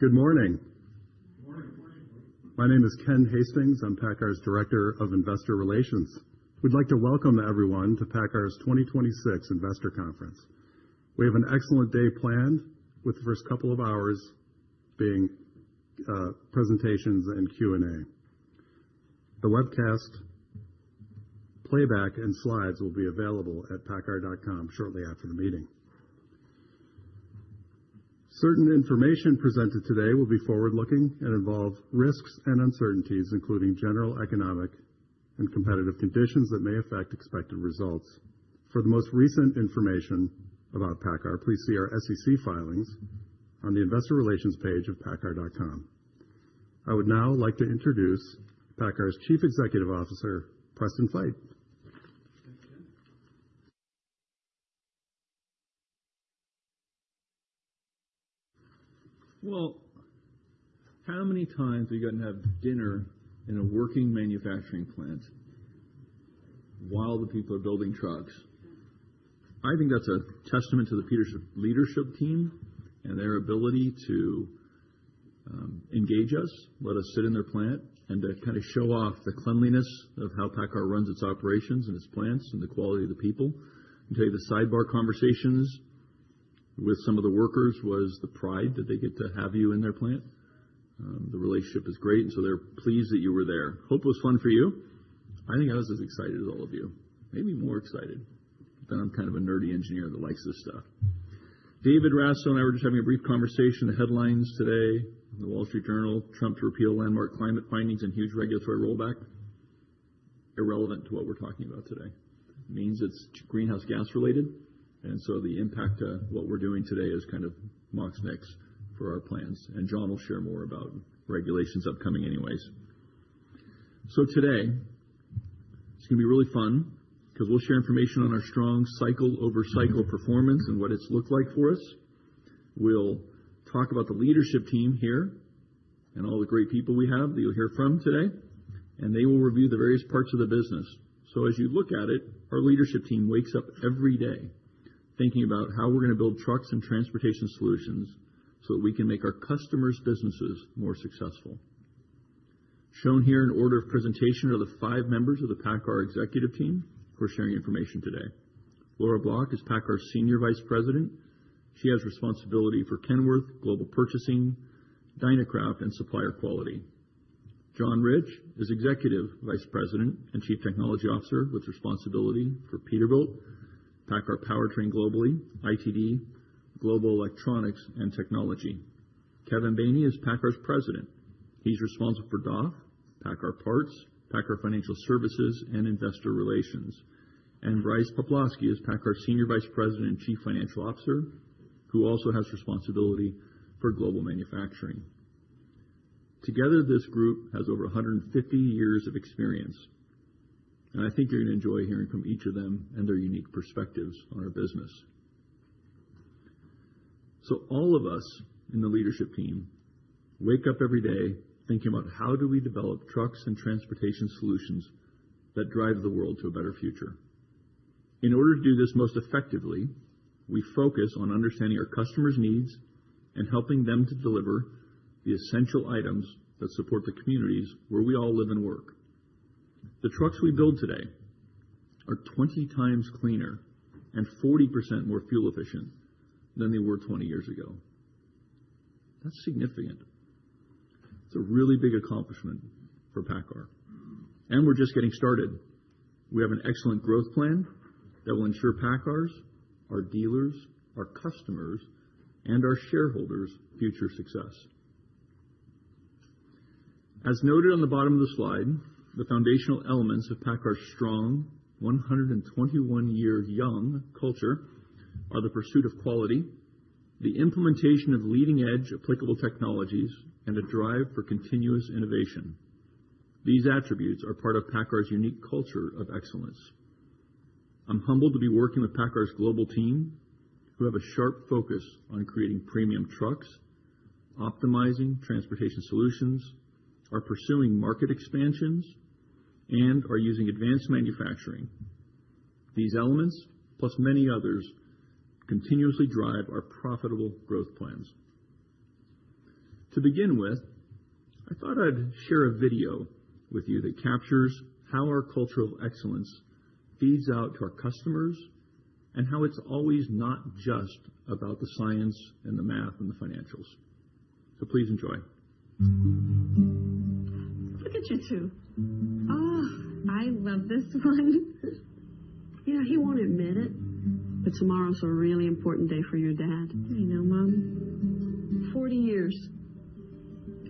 Good morning. Good morning. My name is Ken Hastings. I'm PACCAR's Director of Investor Relations. We'd like to welcome everyone to PACCAR's 2026 Investor Conference. We have an excellent day planned, with the first couple of hours being presentations and Q&A. The webcast, playback, and slides will be available at paccar.com shortly after the meeting. Certain information presented today will be forward-looking and involve risks and uncertainties, including general economic and competitive conditions that may affect expected results. For the most recent information about PACCAR, please see our SEC filings on the Investor Relations page of paccar.com. I would now like to introduce PACCAR's Chief Executive Officer, Preston Feight. Well, how many times are you gonna have dinner in a working manufacturing plant while the people are building trucks? I think that's a testament to the leadership, leadership team and their ability to, engage us, let us sit in their plant, and to kind of show off the cleanliness of how PACCAR runs its operations and its plants and the quality of the people. I'll tell you, the sidebar conversations with some of the workers was the pride that they get to have you in their plant. The relationship is great, and so they're pleased that you were there. Hope it was fun for you. I think I was as excited as all of you, maybe more excited, but I'm kind of a nerdy engineer that likes this stuff. David Raso and I were just having a brief conversation. The headlines today in The Wall Street Journal: "Trump to Repeal Landmark Climate Findings and Huge Regulatory Rollback." Irrelevant to what we're talking about today. Means it's greenhouse gas related, and so the impact of what we're doing today is kind of mixed for our plans, and John will share more about regulations upcoming anyways. Today it's going to be really fun because we'll share information on our strong cycle-over-cycle performance and what it's looked like for us. We'll talk about the leadership team here and all the great people we have that you'll hear from today, and they will review the various parts of the business. As you look at it, our leadership team wakes up every day thinking about how we're going to build trucks and transportation solutions so that we can make our customers' businesses more successful. Shown here in order of presentation are the 5 members of the PACCAR executive team who are sharing information today. Laura Bloch is PACCAR's Senior Vice President. She has responsibility for Kenworth, Global Purchasing, Dynacraft, and Supplier Quality. John Rich is Executive Vice President and Chief Technology Officer, with responsibility for Peterbilt, PACCAR Powertrain globally, ITD, Global Electronics, and Technology. Kevin Baney is PACCAR's President. He's responsible for DAF, PACCAR Parts, PACCAR Financial Services, and Investor Relations. Brice Poplawski is PACCAR's Senior Vice President and Chief Financial Officer, who also has responsibility for global manufacturing. Together, this group has over 150 years of experience, and I think you're going to enjoy hearing from each of them and their unique perspectives on our business. So all of us in the leadership team wake up every day thinking about how do we develop trucks and transportation solutions that drive the world to a better future. In order to do this most effectively, we focus on understanding our customers' needs and helping them to deliver the essential items that support the communities where we all live and work. The trucks we build today are 20 times cleaner and 40% more fuel efficient than they were 20 years ago. That's significant. It's a really big accomplishment for PACCAR, and we're just getting started. We have an excellent growth plan that will ensure PACCAR's, our dealers, our customers, and our shareholders' future success. As noted on the bottom of the slide, the foundational elements of PACCAR's strong 121-year young culture are the pursuit of quality, the implementation of leading-edge applicable technologies, and a drive for continuous innovation. These attributes are part of PACCAR's unique culture of excellence. I'm humbled to be working with PACCAR's global team, who have a sharp focus on creating premium trucks, optimizing transportation solutions, are pursuing market expansions, and are using advanced manufacturing. These elements, plus many others, continuously drive our profitable growth plans. To begin with, I thought I'd share a video with you that captures how our culture of excellence feeds out to our customers and how it's always not just about the science and the math and the financials. So please enjoy. Look at you two. Oh, I love this one. Yeah, he won't admit it, but tomorrow's a really important day for your dad. I know, Mom. 40 years,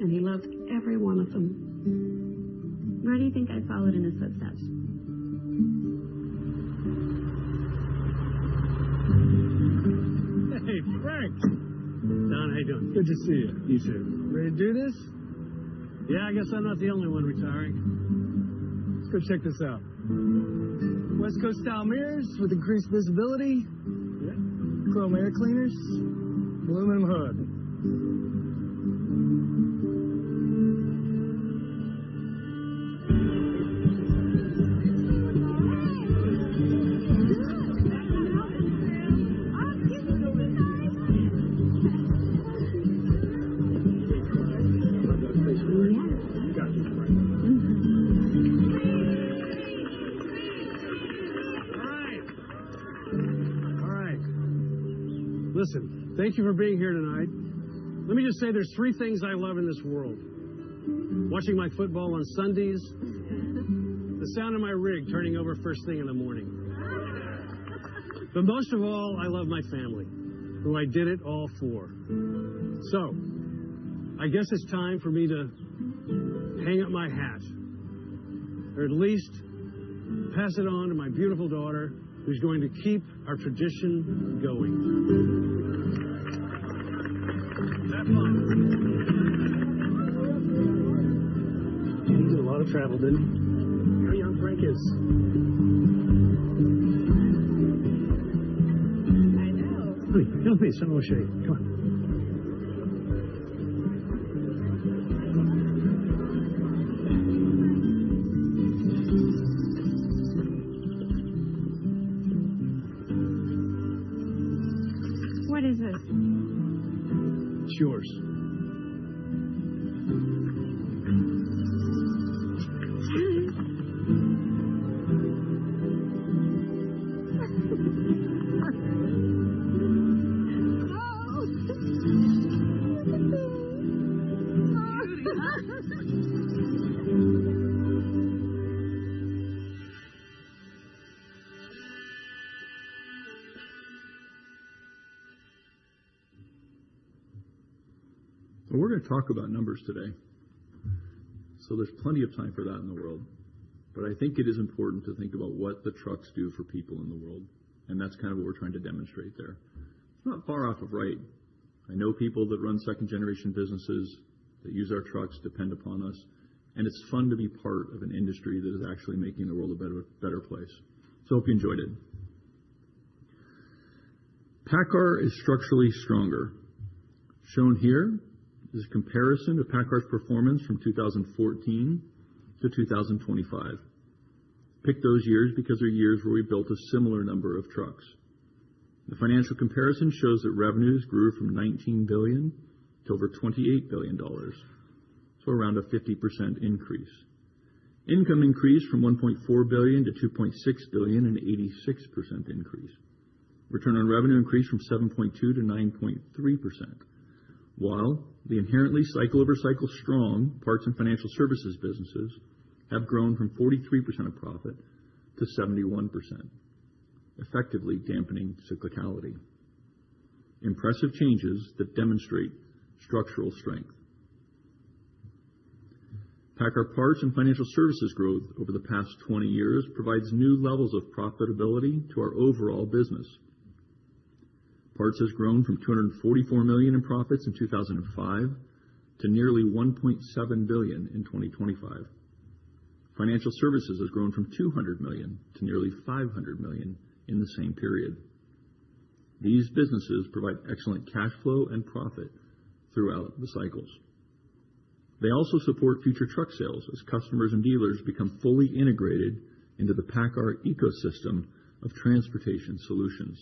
and he loved every one of them. Where do you think I followed in his footsteps? Hey, Greg! Don, how you doing? Good to see you. You too. Ready to do this? Yeah, I guess I'm not the only one retiring. Let's go check this out. West Coast style mirrors with increased visibility. Yep. Chrome air cleaners, aluminum hood. ... All right! All right. Listen, thank you for being here tonight. Let me just say, there's three things I love in this world: watching my football on Sundays, the sound of my rig turning over first thing in the morning. But most of all, I love my family, who I did it all for. So I guess it's time for me to hang up my hat, or at least pass it on to my beautiful daughter, who's going to keep our tradition going. Stephane. He did a lot of traveling. Look how young Frank is. I know. Wait, no, wait. Let me show you. Come on. What is this? It's yours. Oh, look at me. So we're going to talk about numbers today. So there's plenty of time for that in the world, but I think it is important to think about what the trucks do for people in the world, and that's kind of what we're trying to demonstrate there. It's not far off of right. I know people that run second-generation businesses, that use our trucks, depend upon us, and it's fun to be part of an industry that is actually making the world a better, better place. So hope you enjoyed it. PACCAR is structurally stronger. Shown here is a comparison to PACCAR's performance from 2014-2025. Picked those years because they're years where we built a similar number of trucks. The financial comparison shows that revenues grew from $19 billion to over $28 billion, so around a 50% increase. Income increased from $1.4 billion-$2.6 billion, an 86% increase. Return on revenue increased from 7.2% to 9.3%, while the inherently cycle-over-cycle strong parts and financial services businesses have grown from 43% of profit to 71%, effectively dampening cyclicality. Impressive changes that demonstrate structural strength. PACCAR Parts and Financial Services growth over the past 20 years provides new levels of profitability to our overall business. Parts has grown from $244 million in profits in 2005 to nearly $1.7 billion in 2025. Financial services has grown from $200 million to nearly $500 million in the same period. These businesses provide excellent cash flow and profit throughout the cycles. They also support future truck sales as customers and dealers become fully integrated into the PACCAR ecosystem of transportation solutions.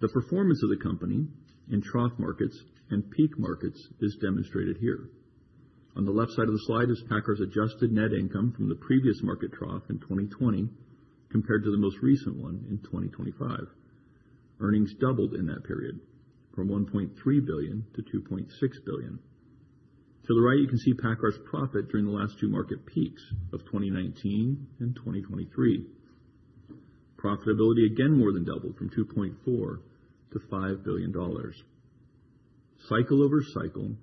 The performance of the company in trough markets and peak markets is demonstrated here. On the left side of the slide is PACCAR's adjusted net income from the previous market trough in 2020, compared to the most recent one in 2025. Earnings doubled in that period from $1.3 billion-$2.6 billion. To the right, you can see PACCAR's profit during the last two market peaks of 2019 and 2023. Profitability, again, more than doubled from $2.4 billion-$5 billion. Cycle over cycle,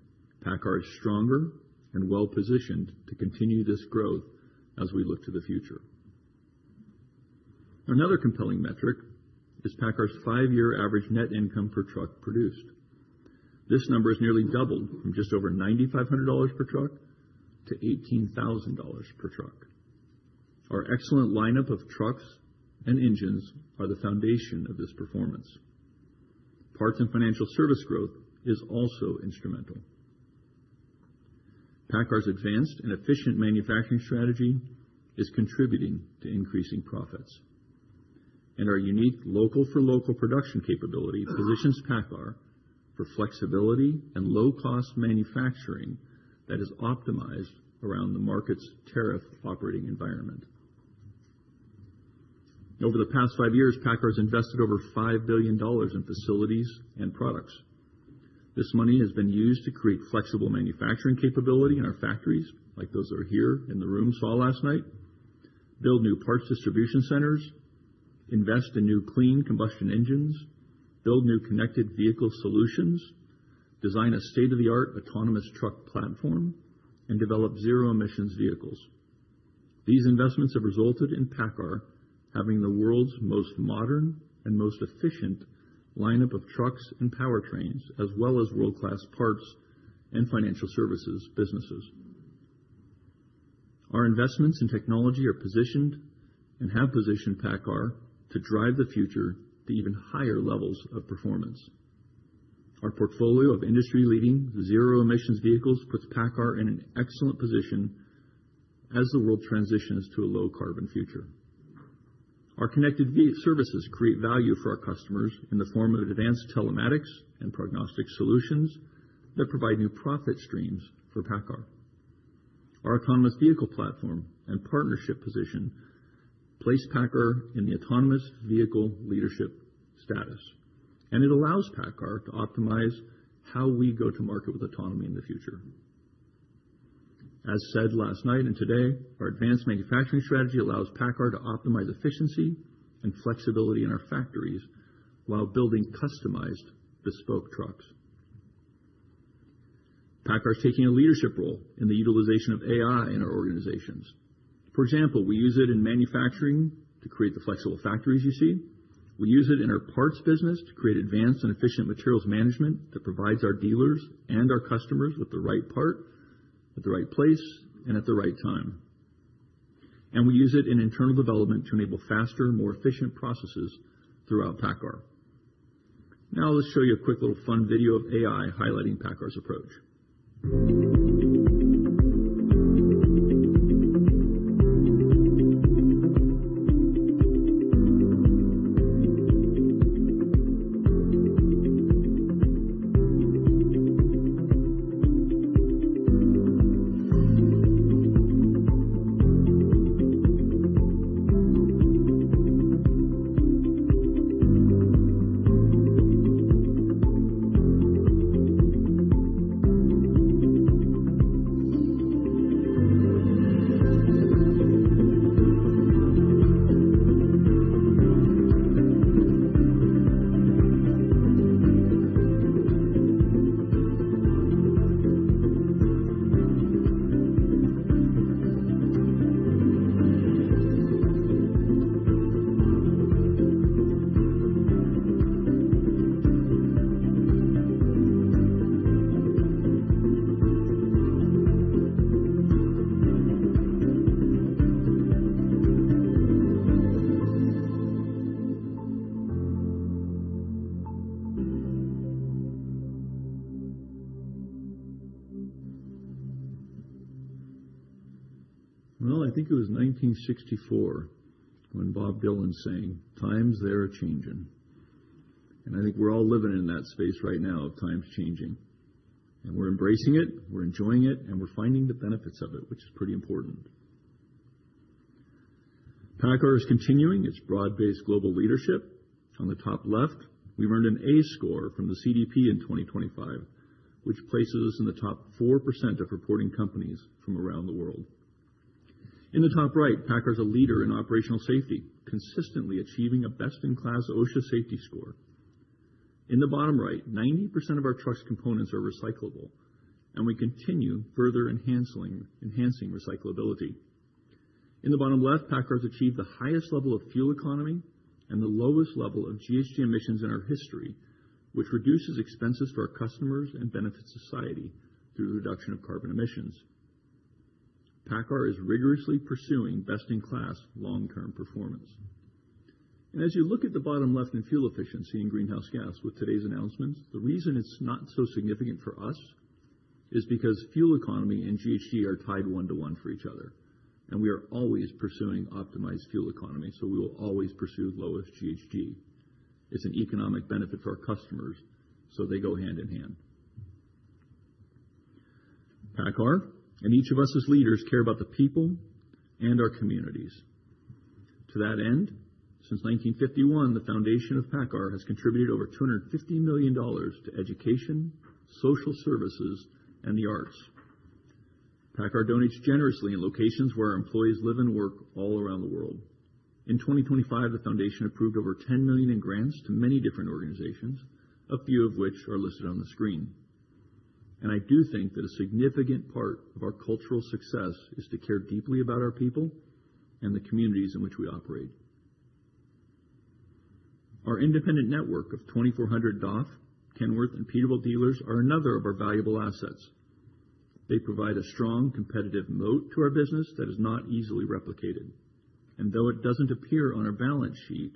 PACCAR is stronger and well positioned to continue this growth as we look to the future. Another compelling metric is PACCAR's five-year average net income per truck produced. This number has nearly doubled from just over $9,500 per truck-$18,000 per truck. Our excellent lineup of trucks and engines are the foundation of this performance. Parts and financial service growth is also instrumental. PACCAR's advanced and efficient manufacturing strategy is contributing to increasing profits, and our unique local for local production capability positions PACCAR for flexibility and low-cost manufacturing that is optimized around the market's tariff operating environment. Over the past five years, PACCAR has invested over $5 billion in facilities and products. This money has been used to create flexible manufacturing capability in our factories, like those that are here in the room saw last night, build new parts distribution centers, invest in new clean combustion engines, build new connected vehicle solutions, design a state-of-the-art autonomous truck platform, and develop zero-emissions vehicles. These investments have resulted in PACCAR having the world's most modern and most efficient lineup of trucks and powertrains, as well as world-class parts and financial services businesses. Our investments in technology are positioned and have positioned PACCAR to drive the future to even higher levels of performance. Our portfolio of industry-leading zero emissions vehicles puts PACCAR in an excellent position as the world transitions to a low carbon future. Our connected vehicle services create value for our customers in the form of advanced telematics and prognostic solutions that provide new profit streams for PACCAR. Our autonomous vehicle platform and partnership position place PACCAR in the autonomous vehicle leadership status, and it allows PACCAR to optimize how we go to market with autonomy in the future. As said last night and today, our advanced manufacturing strategy allows PACCAR to optimize efficiency and flexibility in our factories while building customized bespoke trucks. PACCAR is taking a leadership role in the utilization of AI in our organizations. For example, we use it in manufacturing to create the flexible factories you see. We use it in our parts business to create advanced and efficient materials management that provides our dealers and our customers with the right part, at the right place, and at the right time. We use it in internal development to enable faster and more efficient processes throughout PACCAR. Now, let's show you a quick, little fun video of AI highlighting PACCAR's approach. Well, I think it was 1964 when Bob Dylan sang, "Times they are a-changing." I think we're all living in that space right now of times changing, and we're embracing it, we're enjoying it, and we're finding the benefits of it, which is pretty important. PACCAR is continuing its broad-based global leadership. On the top left, we earned an A score from the CDP in 2025, which places us in the top 4% of reporting companies from around the world. In the top right, PACCAR is a leader in operational safety, consistently achieving a best-in-class OSHA safety score. In the bottom right, 90% of our trucks components are recyclable, and we continue further enhancing, enhancing recyclability. In the bottom left, PACCAR has achieved the highest level of fuel economy and the lowest level of GHG emissions in our history, which reduces expenses for our customers and benefits society through the reduction of carbon emissions. PACCAR is rigorously pursuing best-in-class long-term performance. As you look at the bottom left in fuel efficiency and greenhouse gas with today's announcements, the reason it's not so significant for us is because fuel economy and GHG are tied one to one for each other, and we are always pursuing optimized fuel economy, so we will always pursue the lowest GHG. It's an economic benefit for our customers, so they go hand in hand. PACCAR and each of us as leaders care about the people and our communities. To that end, since 1951, the foundation of PACCAR has contributed over $250 million to education, social services, and the arts. PACCAR donates generously in locations where our employees live and work all around the world. In 2025, the foundation approved over $10 million in grants to many different organizations, a few of which are listed on the screen. I do think that a significant part of our cultural success is to care deeply about our people and the communities in which we operate. Our independent network of 2,400 DAF, Kenworth, and Peterbilt dealers are another of our valuable assets. They provide a strong competitive moat to our business that is not easily replicated, and though it doesn't appear on our balance sheet,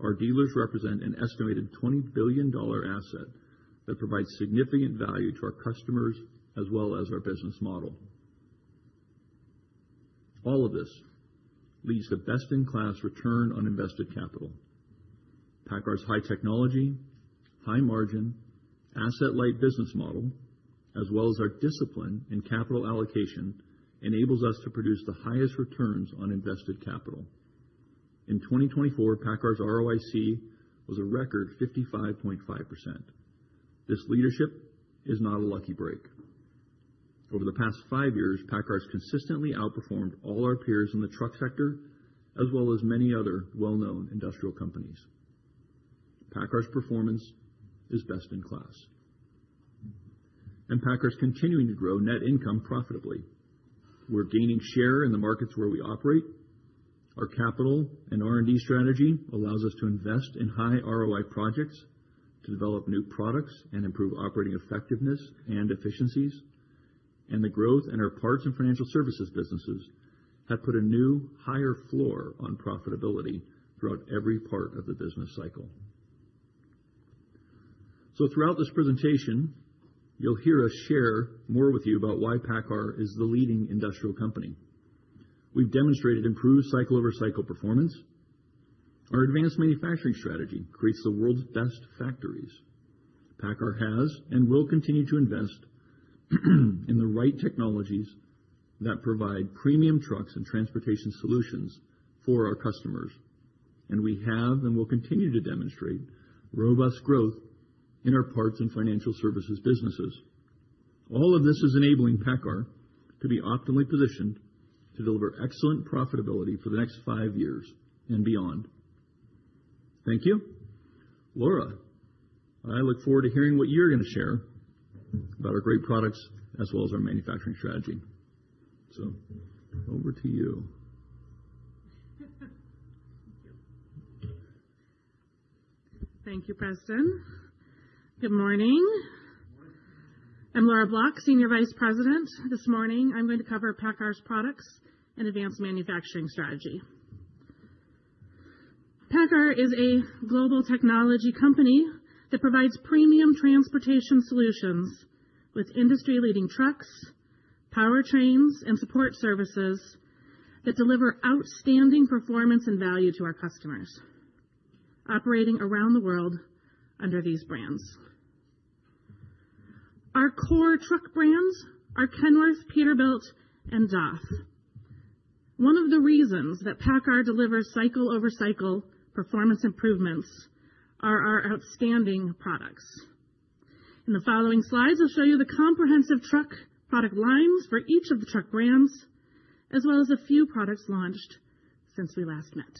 our dealers represent an estimated $20 billion asset that provides significant value to our customers as well as our business model. All of this leads to best-in-class return on invested capital. PACCAR's high technology, high margin, asset-light business model, as well as our discipline in capital allocation, enables us to produce the highest returns on invested capital. In 2024, PACCAR's ROIC was a record 55.5%. This leadership is not a lucky break. Over the past five years, PACCAR has consistently outperformed all our peers in the truck sector, as well as many other well-known industrial companies. PACCAR's performance is best in class, and PACCAR is continuing to grow net income profitably. We're gaining share in the markets where we operate. Our capital and R&D strategy allows us to invest in high ROI projects, to develop new products, and improve operating effectiveness and efficiencies. The growth in our parts and financial services businesses have put a new higher floor on profitability throughout every part of the business cycle. So throughout this presentation, you'll hear us share more with you about why PACCAR is the leading industrial company. We've demonstrated improved cycle-over-cycle performance. Our advanced manufacturing strategy creates the world's best factories. PACCAR has and will continue to invest in the right technologies that provide premium trucks and transportation solutions for our customers, and we have and will continue to demonstrate robust growth in our parts and financial services businesses. All of this is enabling PACCAR to be optimally positioned to deliver excellent profitability for the next five years and beyond. Thank you. Laura, I look forward to hearing what you're going to share about our great products as well as our manufacturing strategy. So over to you. Thank you. Thank you, President. Good morning. I'm Laura Bloch, Senior Vice President. This morning, I'm going to cover PACCAR's products and advanced manufacturing strategy. PACCAR is a global technology company that provides premium transportation solutions with industry-leading trucks, powertrains, and support services that deliver outstanding performance and value to our customers, operating around the world under these brands. Our core truck brands are Kenworth, Peterbilt, and DAF. One of the reasons that PACCAR delivers cycle-over-cycle performance improvements are our outstanding products. In the following slides, I'll show you the comprehensive truck product lines for each of the truck brands, as well as a few products launched since we last met.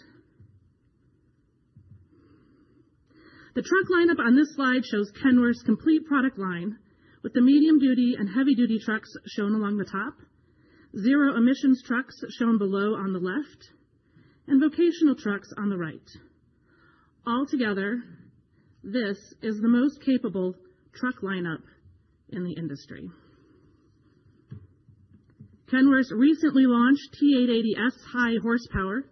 The truck lineup on this slide shows Kenworth's complete product line, with the medium-duty and heavy-duty trucks shown along the top, zero-emissions trucks shown below on the left, and vocational trucks on the right. Altogether, this is the most capable truck lineup in the industry. Kenworth's recently launched T880S high horsepower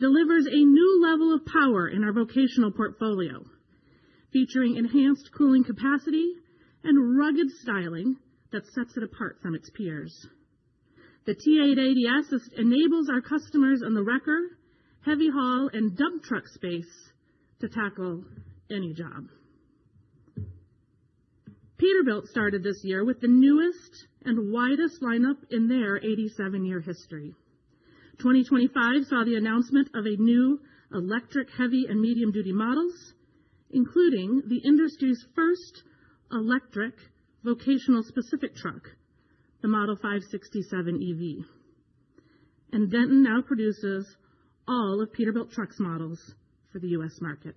delivers a new level of power in our vocational portfolio, featuring enhanced cooling capacity and rugged styling that sets it apart from its peers. The T880S enables our customers in the wrecker, heavy haul, and dump truck space to tackle any job. Peterbilt started this year with the newest and widest lineup in their 87-year history. 2025 saw the announcement of a new electric, heavy, and medium-duty models, including the industry's first electric vocational-specific truck, the Model 567 EV. Denton now produces all of Peterbilt trucks models for the U.S. market.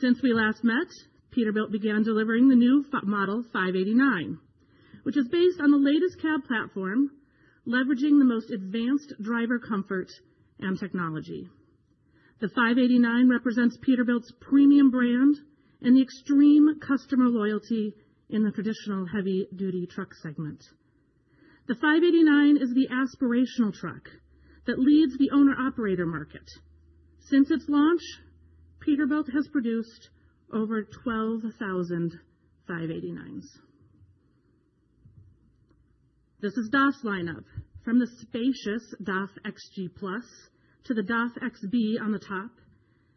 Since we last met, Peterbilt began delivering the new Model 589, which is based on the latest cab platform, leveraging the most advanced driver comfort and technology. The 589 represents Peterbilt's premium brand and the extreme customer loyalty in the traditional heavy-duty truck segment. The Five Eighty-Nine is the aspirational truck that leads the owner-operator market. Since its launch, Peterbilt has produced over 12,589s. This is DAF's lineup, from the spacious DAF XG+ to the DAF XB on the top,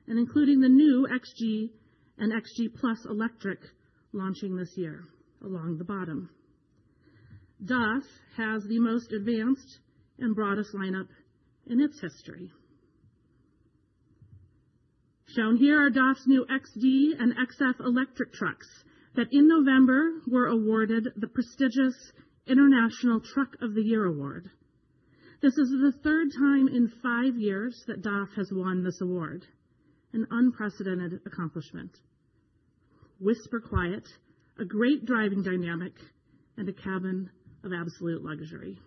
and including the new XG and XG+ electric, launching this year, along the bottom. DAF has the most advanced and broadest lineup in its history. Shown here are DAF's new XD and XF electric trucks that in November were awarded the prestigious International Truck of the Year award. This is the third time in five years that DAF has won this award, an unprecedented accomplishment. Whisper quiet, a great driving dynamic, and a cabin of absolute luxury.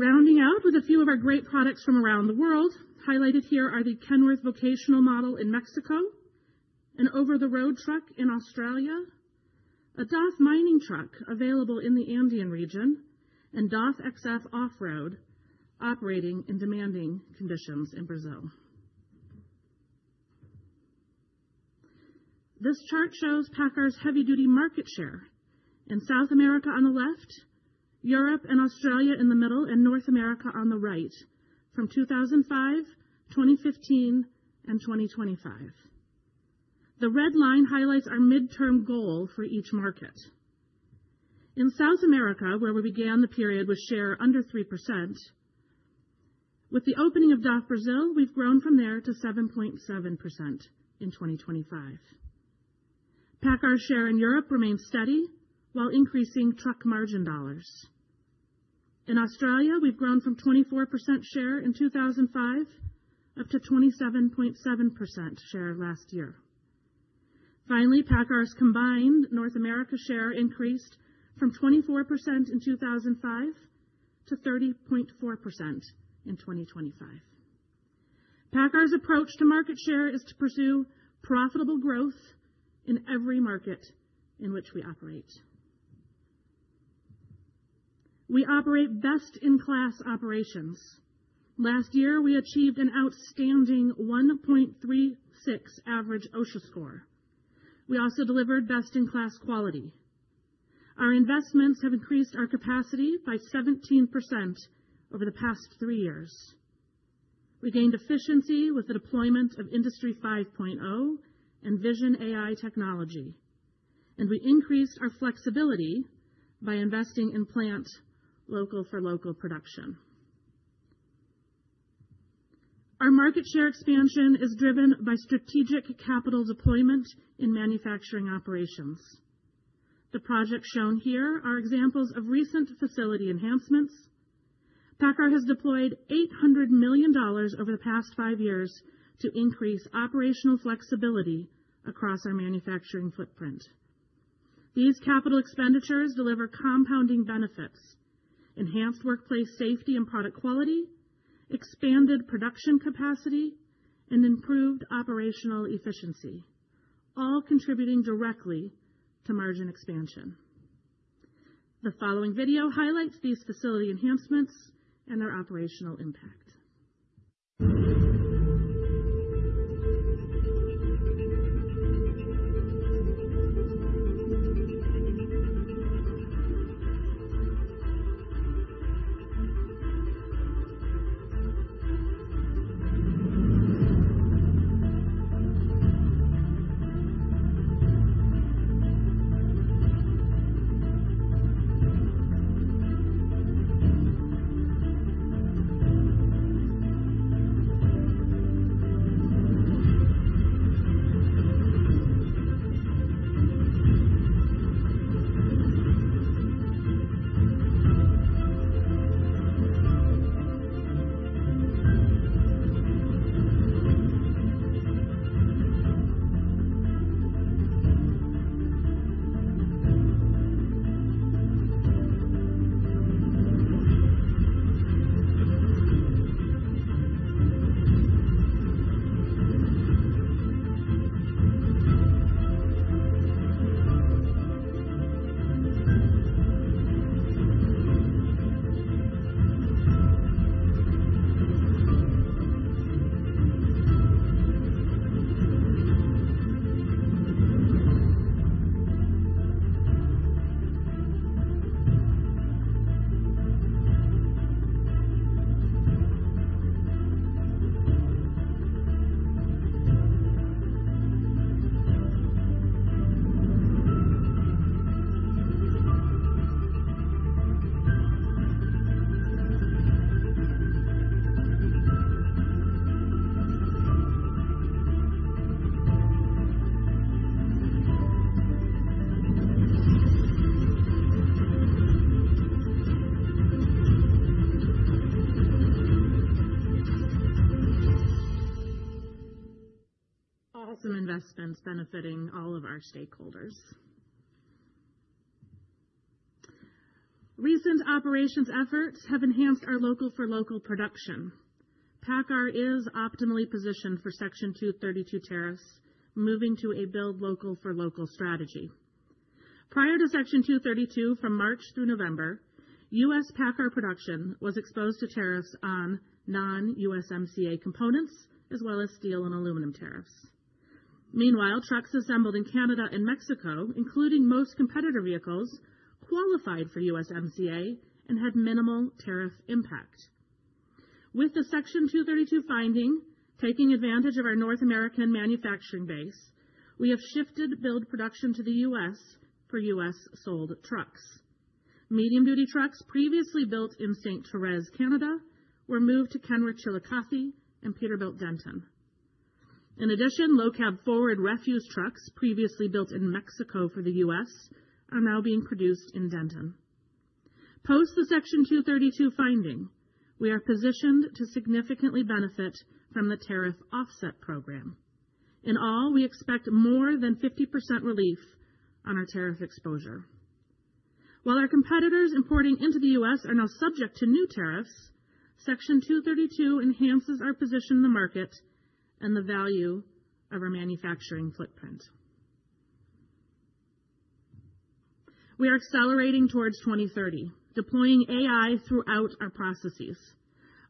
Rounding out with a few of our great products from around the world, highlighted here are the Kenworth vocational model in Mexico, an over-the-road truck in Australia, a DAF mining truck available in the Andean Region, and DAF XF off-road, operating in demanding conditions in Brazil. This chart shows PACCAR's heavy-duty market share in South America on the left, Europe and Australia in the middle, and North America on the right from 2005, 2015, and 2025. The red line highlights our midterm goal for each market. In South America, where we began the period with share under 3%, with the opening of DAF Brazil, we've grown from there to 7.7% in 2025. PACCAR's share in Europe remains steady while increasing truck margin dollars. In Australia, we've grown from 24% share in 2005 up to 27.7% share last year. Finally, PACCAR's combined North America share increased from 24% in 2005 to 30.4% in 2025. PACCAR's approach to market share is to pursue profitable growth in every market in which we operate. We operate best-in-class operations. Last year, we achieved an outstanding 1.36 average OSHA score. We also delivered best-in-class quality. Our investments have increased our capacity by 17% over the past three years. We gained efficiency with the deployment of Industry 5.0 and Vision AI technology, and we increased our flexibility by investing in plant local-for-local production. Our market share expansion is driven by strategic capital deployment in manufacturing operations. The projects shown here are examples of recent facility enhancements. PACCAR has deployed $800 million over the past five years to increase operational flexibility across our manufacturing footprint. These capital expenditures deliver compounding benefits, enhanced workplace safety and product quality, expanded production capacity, and improved operational efficiency, all contributing directly to margin expansion. The following video highlights these facility enhancements and their operational impact. Awesome investments benefiting all of our stakeholders. Recent operations efforts have enhanced our local-for-local production. PACCAR is optimally positioned for Section 232 tariffs, moving to a build local-for-local strategy. Prior to Section 232, from March through November, U.S. PACCAR production was exposed to tariffs on non-USMCA components, as well as steel and aluminum tariffs. Meanwhile, trucks assembled in Canada and Mexico, including most competitor vehicles, qualified for USMCA and had minimal tariff impact. With the Section 232 finding, taking advantage of our North American manufacturing base, we have shifted build production to the U.S. for U.S.-sold trucks. Medium-duty trucks previously built in Sainte-Thérèse, Canada, were moved to Kenworth Chillicothe and Peterbilt, Denton. In addition, low cab forward refuse trucks previously built in Mexico for the U.S. are now being produced in Denton. Post the Section 232 finding, we are positioned to significantly benefit from the tariff offset program. In all, we expect more than 50% relief on our tariff exposure. While our competitors importing into the U.S. are now subject to new tariffs, Section 232 enhances our position in the market and the value of our manufacturing footprint. We are accelerating towards 2030, deploying AI throughout our processes.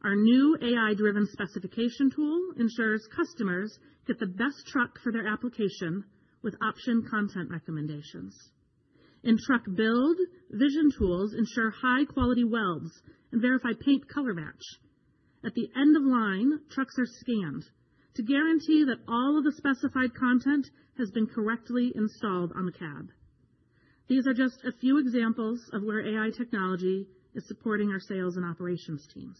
Our new AI-driven specification tool ensures customers get the best truck for their application with option content recommendations. In truck build, vision tools ensure high-quality welds and verify paint color match. At the end of line, trucks are scanned to guarantee that all of the specified content has been correctly installed on the cab. These are just a few examples of where AI technology is supporting our sales and operations teams.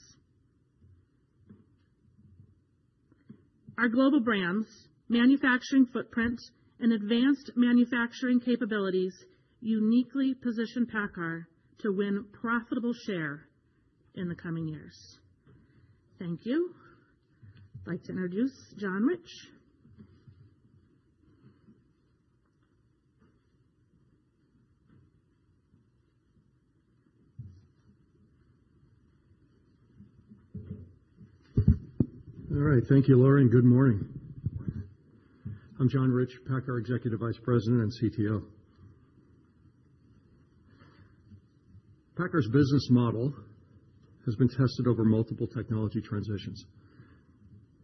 Our global brands, manufacturing footprint, and advanced manufacturing capabilities uniquely position PACCAR to win profitable share in the coming years. Thank you. I'd like to introduce John Rich. All right. Thank you, Lori, and good morning. I'm John Rich, PACCAR Executive Vice President and CTO. PACCAR's business model has been tested over multiple technology transitions,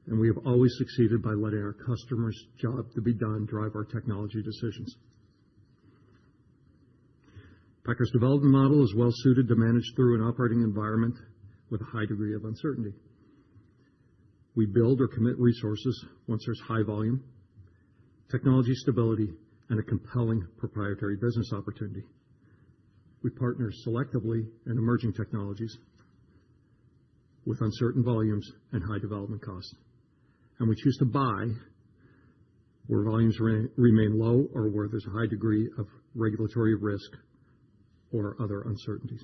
and we have always succeeded by letting our customers' job to be done drive our technology decisions. PACCAR's development model is well-suited to manage through an operating environment with a high degree of uncertainty. We build or commit resources once there's high volume, technology stability, and a compelling proprietary business opportunity. We partner selectively in emerging technologies with uncertain volumes and high development costs, and we choose to buy where volumes remain low or where there's a high degree of regulatory risk or other uncertainties.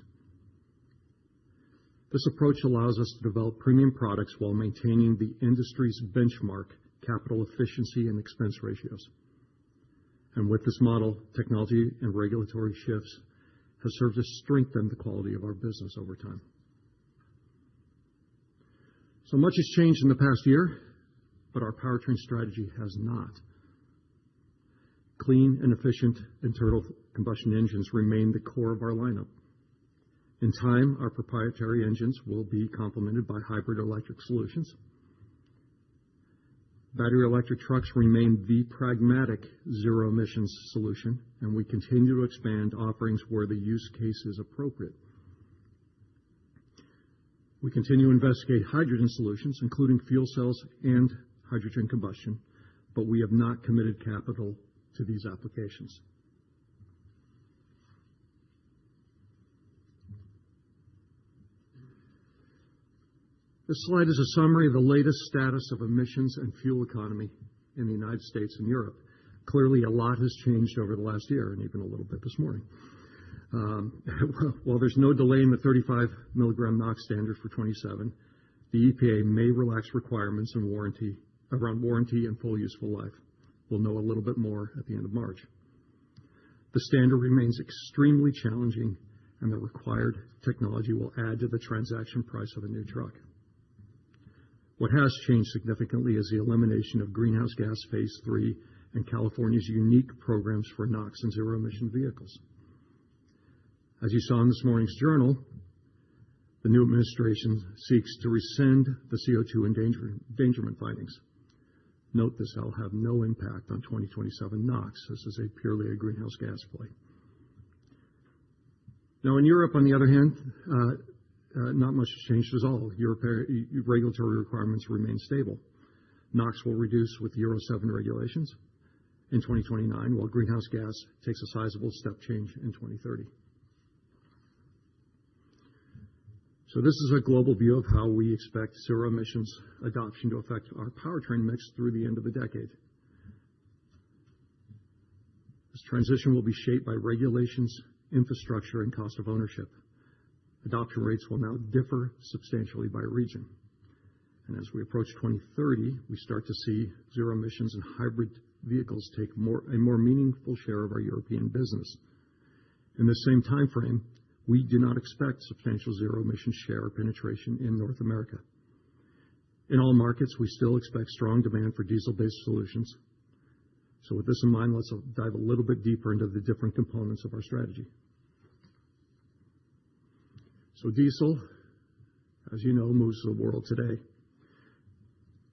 This approach allows us to develop premium products while maintaining the industry's benchmark, capital efficiency, and expense ratios. With this model, technology and regulatory shifts have served to strengthen the quality of our business over time. So much has changed in the past year, but our powertrain strategy has not. Clean and efficient internal combustion engines remain the core of our lineup. In time, our proprietary engines will be complemented by hybrid electric solutions. Battery electric trucks remain the pragmatic zero-emissions solution, and we continue to expand offerings where the use case is appropriate. We continue to investigate hydrogen solutions, including fuel cells and hydrogen combustion, but we have not committed capital to these applications. This slide is a summary of the latest status of emissions and fuel economy in the United States and Europe. Clearly, a lot has changed over the last year and even a little bit this morning. Well, there's no delay in the 35 mg NOx standard for 2027. The EPA may relax requirements around warranty and full useful life. We'll know a little bit more at the end of March. The standard remains extremely challenging, and the required technology will add to the transaction price of a new truck. What has changed significantly is the elimination of Greenhouse Gas Phase III and California's unique programs for NOx and zero-emission vehicles. As you saw in this morning's The Wall Street Journal, the new administration seeks to rescind the CO₂ endangerment findings. Note this will have no impact on 2027 NOx. This is purely a greenhouse gas play. Now, in Europe, on the other hand, not much has changed at all. European regulatory requirements remain stable. NOx will reduce with Euro 7 regulations in 2029, while greenhouse gas takes a sizable step change in 2030. This is a global view of how we expect zero-emissions adoption to affect our powertrain mix through the end of the decade. This transition will be shaped by regulations, infrastructure, and cost of ownership. Adoption rates will now differ substantially by region, and as we approach 2030, we start to see zero emissions and hybrid vehicles take more, a more meaningful share of our European business. In the same timeframe, we do not expect substantial zero-emission share or penetration in North America. In all markets, we still expect strong demand for diesel-based solutions. With this in mind, let's dive a little bit deeper into the different components of our strategy. Diesel, as you know, moves the world today,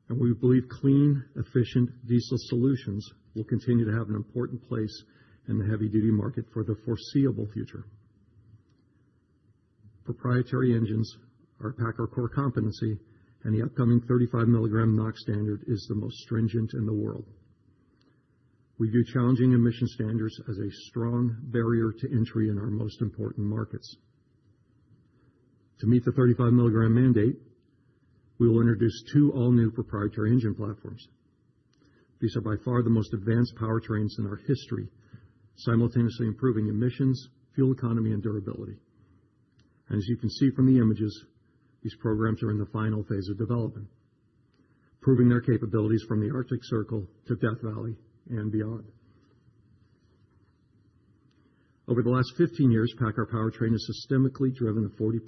and we believe clean, efficient diesel solutions will continue to have an important place in the heavy-duty market for the foreseeable future. Proprietary engines are PACCAR core competency, and the upcoming 35-mg NOx standard is the most stringent in the world. We view challenging emission standards as a strong barrier to entry in our most important markets. To meet the 35-mg mandate, we will introduce two all-new proprietary engine platforms. These are by far the most advanced powertrains in our history, simultaneously improving emissions, fuel economy, and durability. As you can see from the images, these programs are in the final phase of development, proving their capabilities from the Arctic Circle to Death Valley and beyond. Over the last 15 years, PACCAR Powertrain has systematically driven a 40%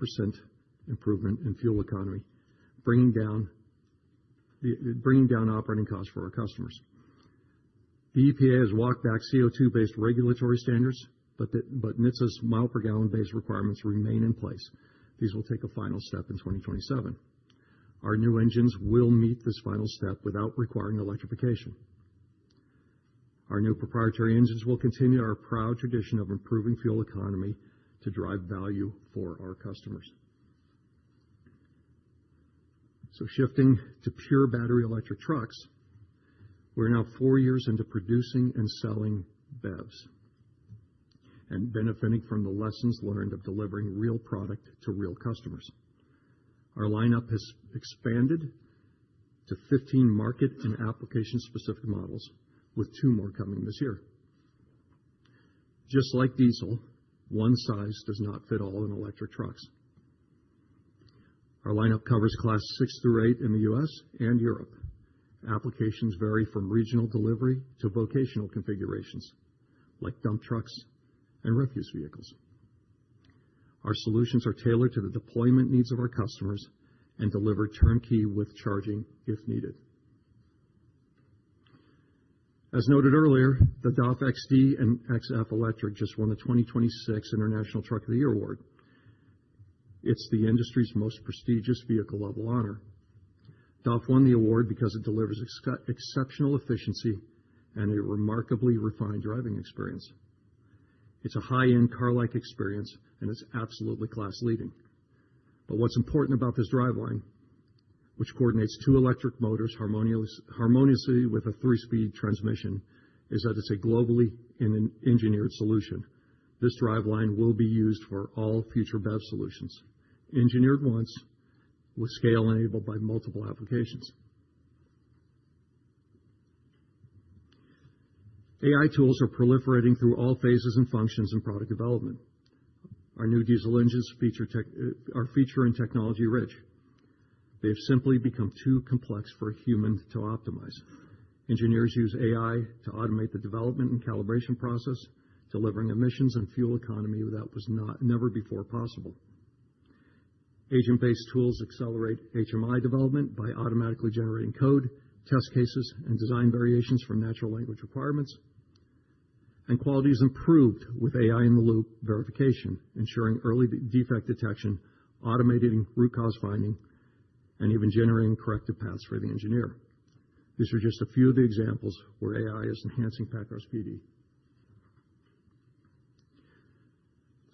improvement in fuel economy, bringing down, bringing down operating costs for our customers. The EPA has walked back CO₂-based regulatory standards, but NHTSA's mile-per-gallon-based requirements remain in place. These will take a final step in 2027. Our new engines will meet this final step without requiring electrification. Our new proprietary engines will continue our proud tradition of improving fuel economy to drive value for our customers. So shifting to pure battery electric trucks, we're now four years into producing and selling BEVs and benefiting from the lessons learned of delivering real product to real customers. Our lineup has expanded to 15 market and application-specific models, with two more coming this year. Just like diesel, one size does not fit all in electric trucks... Our lineup covers Class 6 through 8 in the U.S. and Europe. Applications vary from regional delivery to vocational configurations, like dump trucks and refuse vehicles. Our solutions are tailored to the deployment needs of our customers and deliver turnkey with charging, if needed. As noted earlier, the DAF XD and XF Electric just won the 2026 International Truck of the Year award. It's the industry's most prestigious vehicle-level honor. DAF won the award because it delivers exceptional efficiency and a remarkably refined driving experience. It's a high-end, car-like experience, and it's absolutely class-leading. But what's important about this driveline, which coordinates two electric motors harmoniously with a three-speed transmission, is that it's a global and engineered solution. This driveline will be used for all future BEV solutions, engineered once with scale enabled by multiple applications. AI tools are proliferating through all phases and functions in product development. Our new diesel engines are feature and technology-rich. They've simply become too complex for a human to optimize. Engineers use AI to automate the development and calibration process, delivering emissions and fuel economy that was never before possible. Agent-based tools accelerate HMI development by automatically generating code, test cases, and design variations from natural language requirements, and quality is improved with AI in the loop verification, ensuring early de-defect detection, automating root cause finding, and even generating corrective paths for the engineer. These are just a few of the examples where AI is enhancing PACCAR's PD.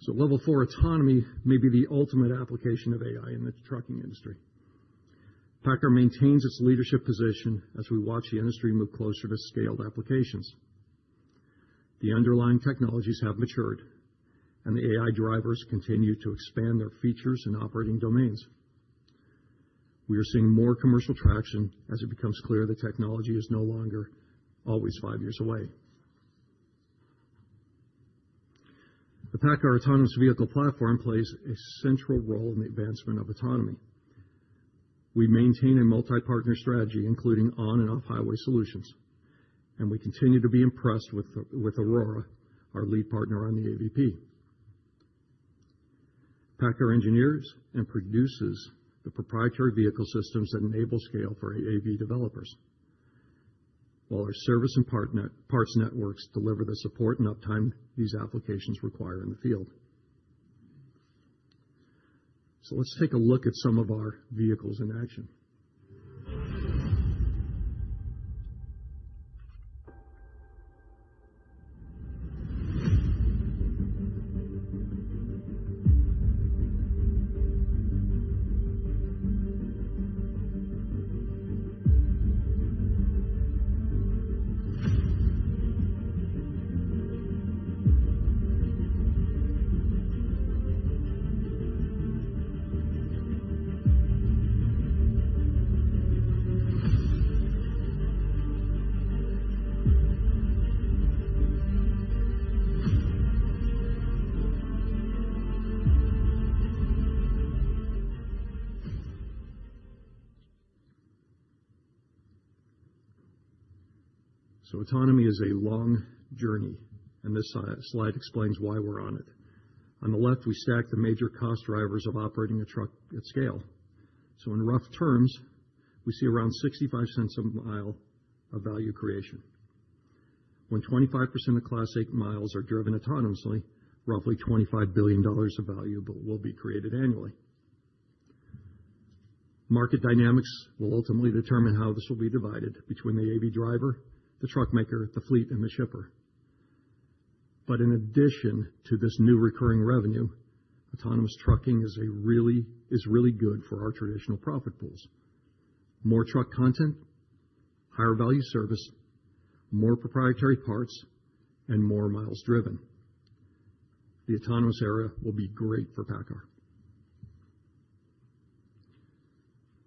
So Level Four autonomy may be the ultimate application of AI in the trucking industry. PACCAR maintains its leadership position as we watch the industry move closer to scaled applications. The underlying technologies have matured, and the AI drivers continue to expand their features and operating domains. We are seeing more commercial traction as it becomes clear the technology is no longer always five years away. The PACCAR Autonomous Vehicle Platform plays a central role in the advancement of autonomy. We maintain a multi-partner strategy, including on- and off-highway solutions, and we continue to be impressed with Aurora, our lead partner on the AVP. PACCAR engineers and produces the proprietary vehicle systems that enable scale for AV developers, while our service and parts networks deliver the support and uptime these applications require in the field. So let's take a look at some of our vehicles in action. So autonomy is a long journey, and this slide explains why we're on it. On the left, we stack the major cost drivers of operating a truck at scale. So in rough terms, we see around $0.65 a mile of value creation. When 25% of Class 8 miles are driven autonomously, roughly $25 billion of value will be created annually. Market dynamics will ultimately determine how this will be divided between the AV driver, the truck maker, the fleet, and the shipper. But in addition to this new recurring revenue, autonomous trucking is a really, is really good for our traditional profit pools. More truck content, higher value service, more proprietary parts, and more miles driven. The autonomous era will be great for PACCAR.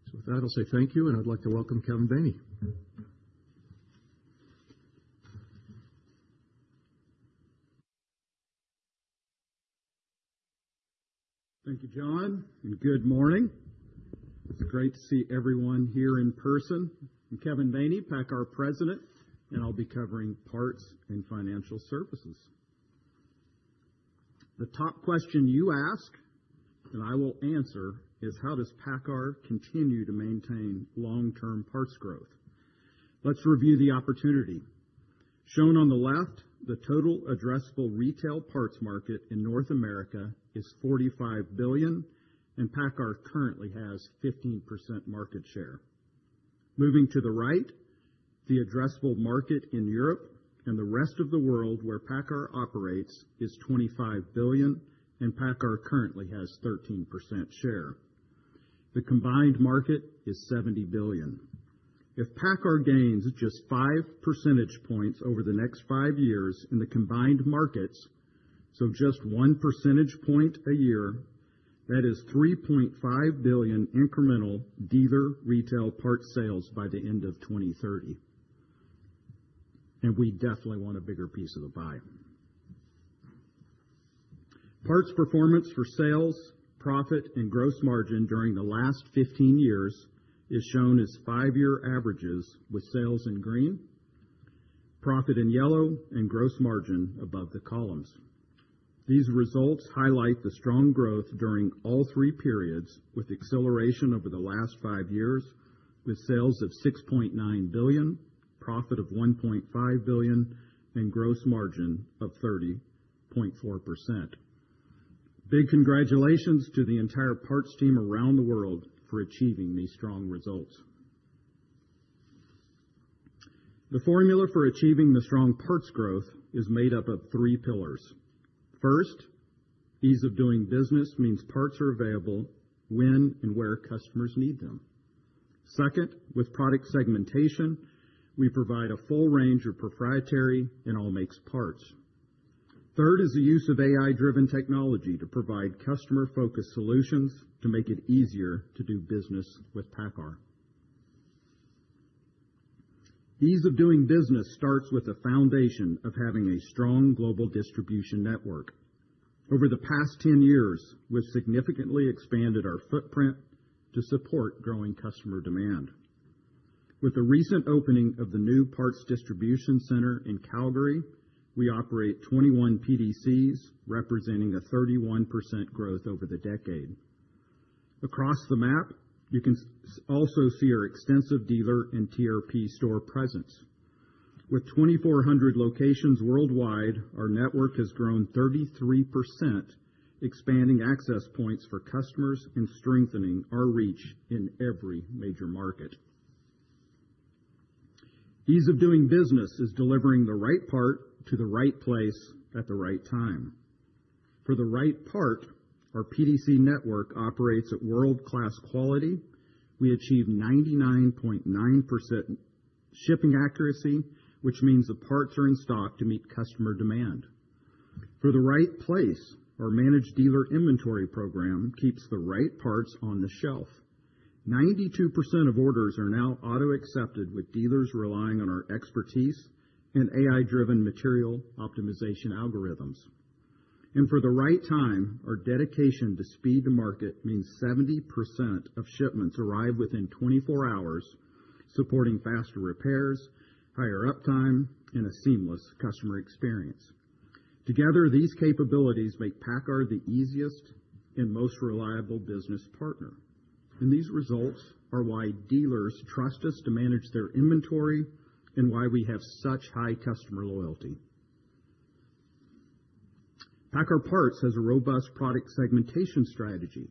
So with that, I'll say thank you, and I'd like to welcome Kevin Baney. Thank you, John, and good morning. It's great to see everyone here in person. I'm Kevin Baney, PACCAR President, and I'll be covering parts and financial services. The top question you ask, and I will answer, is: How does PACCAR continue to maintain long-term parts growth? Let's review the opportunity. Shown on the left, the total addressable retail parts market in North America is $45 billion, and PACCAR currently has 15% market share. Moving to the right, the addressable market in Europe and the rest of the world, where PACCAR operates, is $25 billion, and PACCAR currently has 13% share. The combined market is $70 billion. If PACCAR gains just 5 percentage points over the next 5 years in the combined markets, so just 1 percentage point a year, that is $3.5 billion incremental dealer retail parts sales by the end of 2030. We definitely want a bigger piece of the pie. Parts performance for sales, profit, and gross margin during the last 15 years is shown as 5-year averages, with sales in green, profit in yellow, and gross margin above the columns. These results highlight the strong growth during all three periods, with acceleration over the last 5 years, with sales of $6.9 billion, profit of $1.5 billion, and gross margin of 30.4%. Big congratulations to the entire parts team around the world for achieving these strong results. The formula for achieving the strong parts growth is made up of three pillars. First, ease of doing business means parts are available when and where customers need them. Second, with product segmentation, we provide a full range of proprietary and all-makes parts. Third is the use of AI-driven technology to provide customer-focused solutions to make it easier to do business with PACCAR. Ease of doing business starts with the foundation of having a strong global distribution network. Over the past 10 years, we've significantly expanded our footprint to support growing customer demand. With the recent opening of the new Parts Distribution Center in Calgary, we operate 21 PDCs, representing a 31% growth over the decade. Across the map, you can also see our extensive dealer and TRP store presence. With 2,400 locations worldwide, our network has grown 33%, expanding access points for customers and strengthening our reach in every major market. Ease of doing business is delivering the right part to the right place at the right time. For the right part, our PDC network operates at world-class quality. We achieve 99.9% shipping accuracy, which means the parts are in stock to meet customer demand. For the right place, our Managed Dealer Inventory program keeps the right parts on the shelf. 92% of orders are now auto-accepted, with dealers relying on our expertise and AI-driven material optimization algorithms. And for the right time, our dedication to speed to market means 70% of shipments arrive within 24 hours, supporting faster repairs, higher uptime, and a seamless customer experience. Together, these capabilities make PACCAR the easiest and most reliable business partner, and these results are why dealers trust us to manage their inventory and why we have such high customer loyalty. PACCAR Parts has a robust product segmentation strategy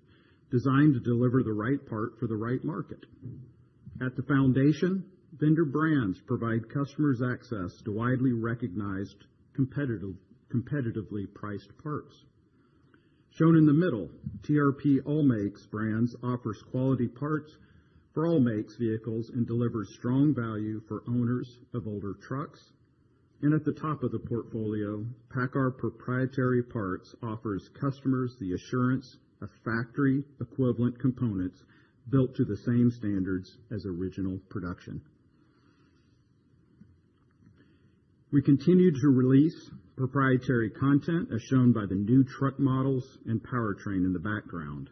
designed to deliver the right part for the right market. At the foundation, vendor brands provide customers access to widely recognized competitive, competitively priced parts. Shown in the middle, TRP All Makes brands offers quality parts for all makes vehicles and delivers strong value for owners of older trucks. At the top of the portfolio, PACCAR Proprietary Parts offers customers the assurance of factory-equivalent components built to the same standards as original production. We continue to release proprietary content, as shown by the new truck models and powertrain in the background.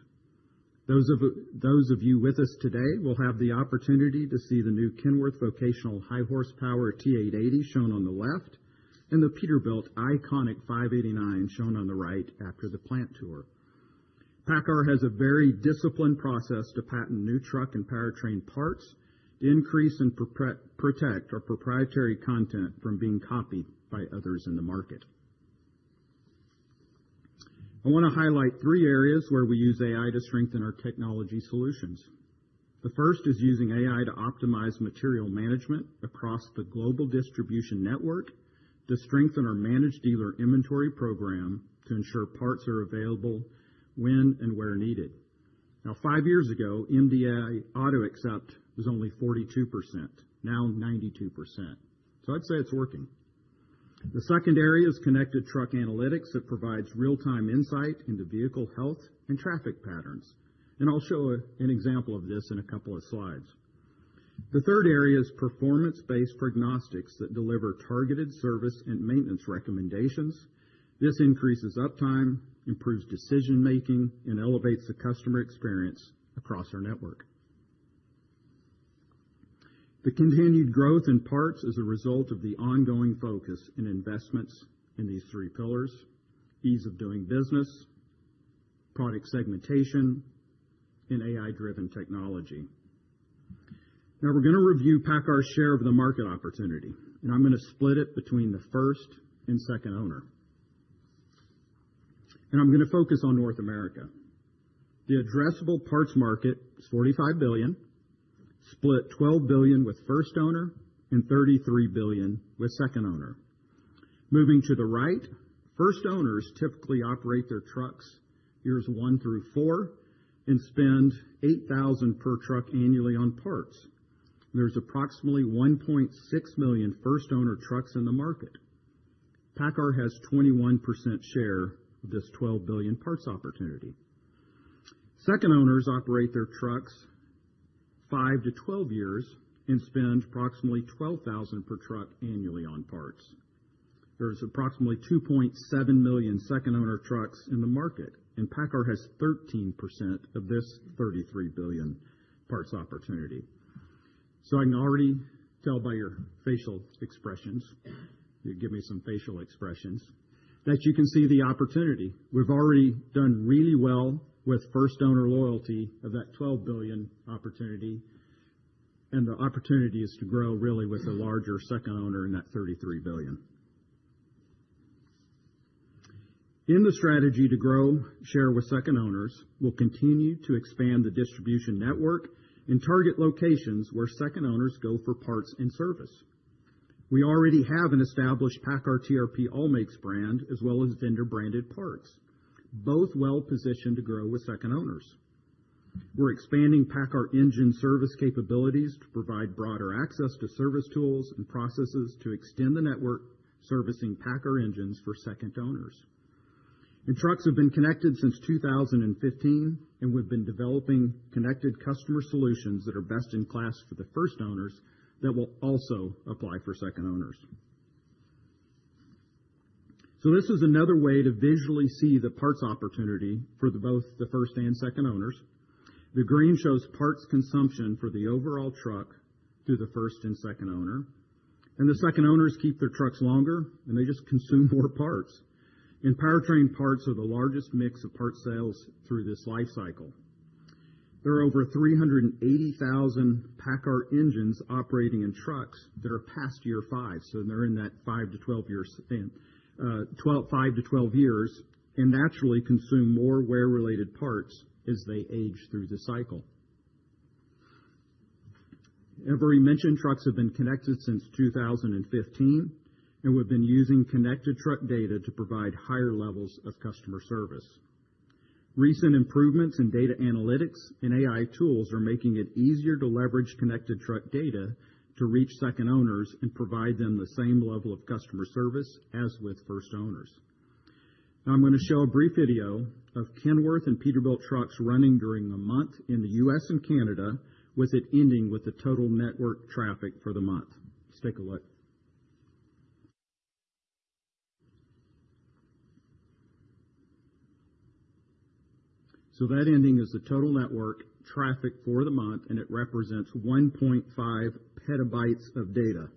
Those of you with us today will have the opportunity to see the new Kenworth Vocational High Horsepower T880, shown on the left, and the Peterbilt Iconic 589, shown on the right after the plant tour. PACCAR has a very disciplined process to patent new truck and powertrain parts to increase and protect our proprietary content from being copied by others in the market. I want to highlight three areas where we use AI to strengthen our technology solutions. The first is using AI to optimize material management across the global distribution network to strengthen our Managed Dealer Inventory program to ensure parts are available when and where needed. Now, five years ago, MDI Auto Accept was only 42%, now 92%, so I'd say it's working. The second area is connected truck analytics. It provides real-time insight into vehicle health and traffic patterns, and I'll show an example of this in a couple of slides. The third area is performance-based prognostics that deliver targeted service and maintenance recommendations. This increases uptime, improves decision-making, and elevates the customer experience across our network. The continued growth in parts is a result of the ongoing focus and investments in these three pillars: ease of doing business, product segmentation, and AI-driven technology. Now we're going to review PACCAR's share of the market opportunity, and I'm going to split it between the first and second owner. I'm going to focus on North America. The addressable parts market is $45 billion, split $12 billion with first owner and $33 billion with second owner. Moving to the right, first owners typically operate their trucks years 1 through 4, and spend $8,000 per truck annually on parts. There's approximately 1.6 million first owner trucks in the market. PACCAR has 21% share of this $12 billion parts opportunity. Second owners operate their trucks 5 to 12 years and spend approximately $12,000 per truck annually on parts. There's approximately 2.7 million second owner trucks in the market, and PACCAR has 13% of this $33 billion parts opportunity. So I can already tell by your facial expressions, you give me some facial expressions, that you can see the opportunity. We've already done really well with first owner loyalty of that $12 billion opportunity, and the opportunity is to grow really with the larger second owner in that $33 billion. In the strategy to grow, share with second owners, we'll continue to expand the distribution network and target locations where second owners go for parts and service. We already have an established PACCAR TRP All Makes brand, as well as vendor-branded parts, both well-positioned to grow with second owners. We're expanding PACCAR engine service capabilities to provide broader access to service tools and processes to extend the network, servicing PACCAR engines for second owners. Trucks have been connected since 2015, and we've been developing connected customer solutions that are best in class for the first owners, that will also apply for second owners. So this is another way to visually see the parts opportunity for the both, the first and second owners. The green shows parts consumption for the overall truck through the first and second owner, and the second owners keep their trucks longer, and they just consume more parts. And powertrain parts are the largest mix of parts sales through this life cycle. There are over 380,000 PACCAR engines operating in trucks that are past year 5, so they're in that 5-12 years, 5-12 years, and naturally consume more wear-related parts as they age through the cycle. We mentioned trucks have been connected since 2015, and we've been using connected truck data to provide higher levels of customer service. Recent improvements in data analytics and AI tools are making it easier to leverage connected truck data to reach second owners and provide them the same level of customer service as with first owners. Now, I'm going to show a brief video of Kenworth and Peterbilt trucks running during the month in the US and Canada, with it ending with the total network traffic for the month. Let's take a look. That ending is the total network traffic for the month, and it represents 1.5 petabytes of data.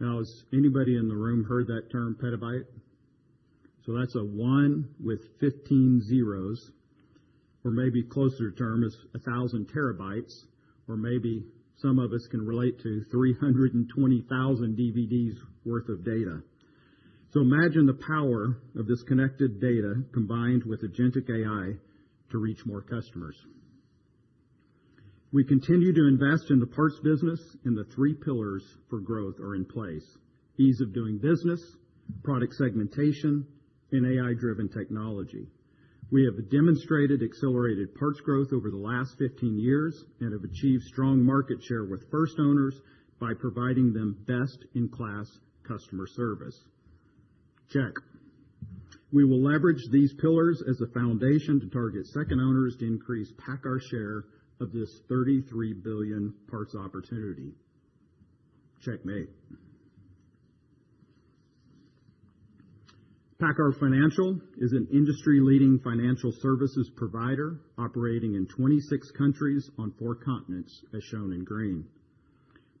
Now, has anybody in the room heard that term petabyte? That's a 1 with 15 zeros, or maybe closer term is 1,000 terabytes, or maybe some of us can relate to 320,000 DVDs worth of data. Imagine the power of this connected data combined with agentic AI to reach more customers. We continue to invest in the parts business, and the three pillars for growth are in place: ease of doing business, product segmentation, and AI-driven technology. We have demonstrated accelerated parts growth over the last 15 years and have achieved strong market share with first owners by providing them best-in-class customer service. Check. We will leverage these pillars as a foundation to target second owners to increase PACCAR's share of this $33 billion parts opportunity. Checkmate. PACCAR Financial is an industry-leading financial services provider operating in 26 countries on 4 continents, as shown in green.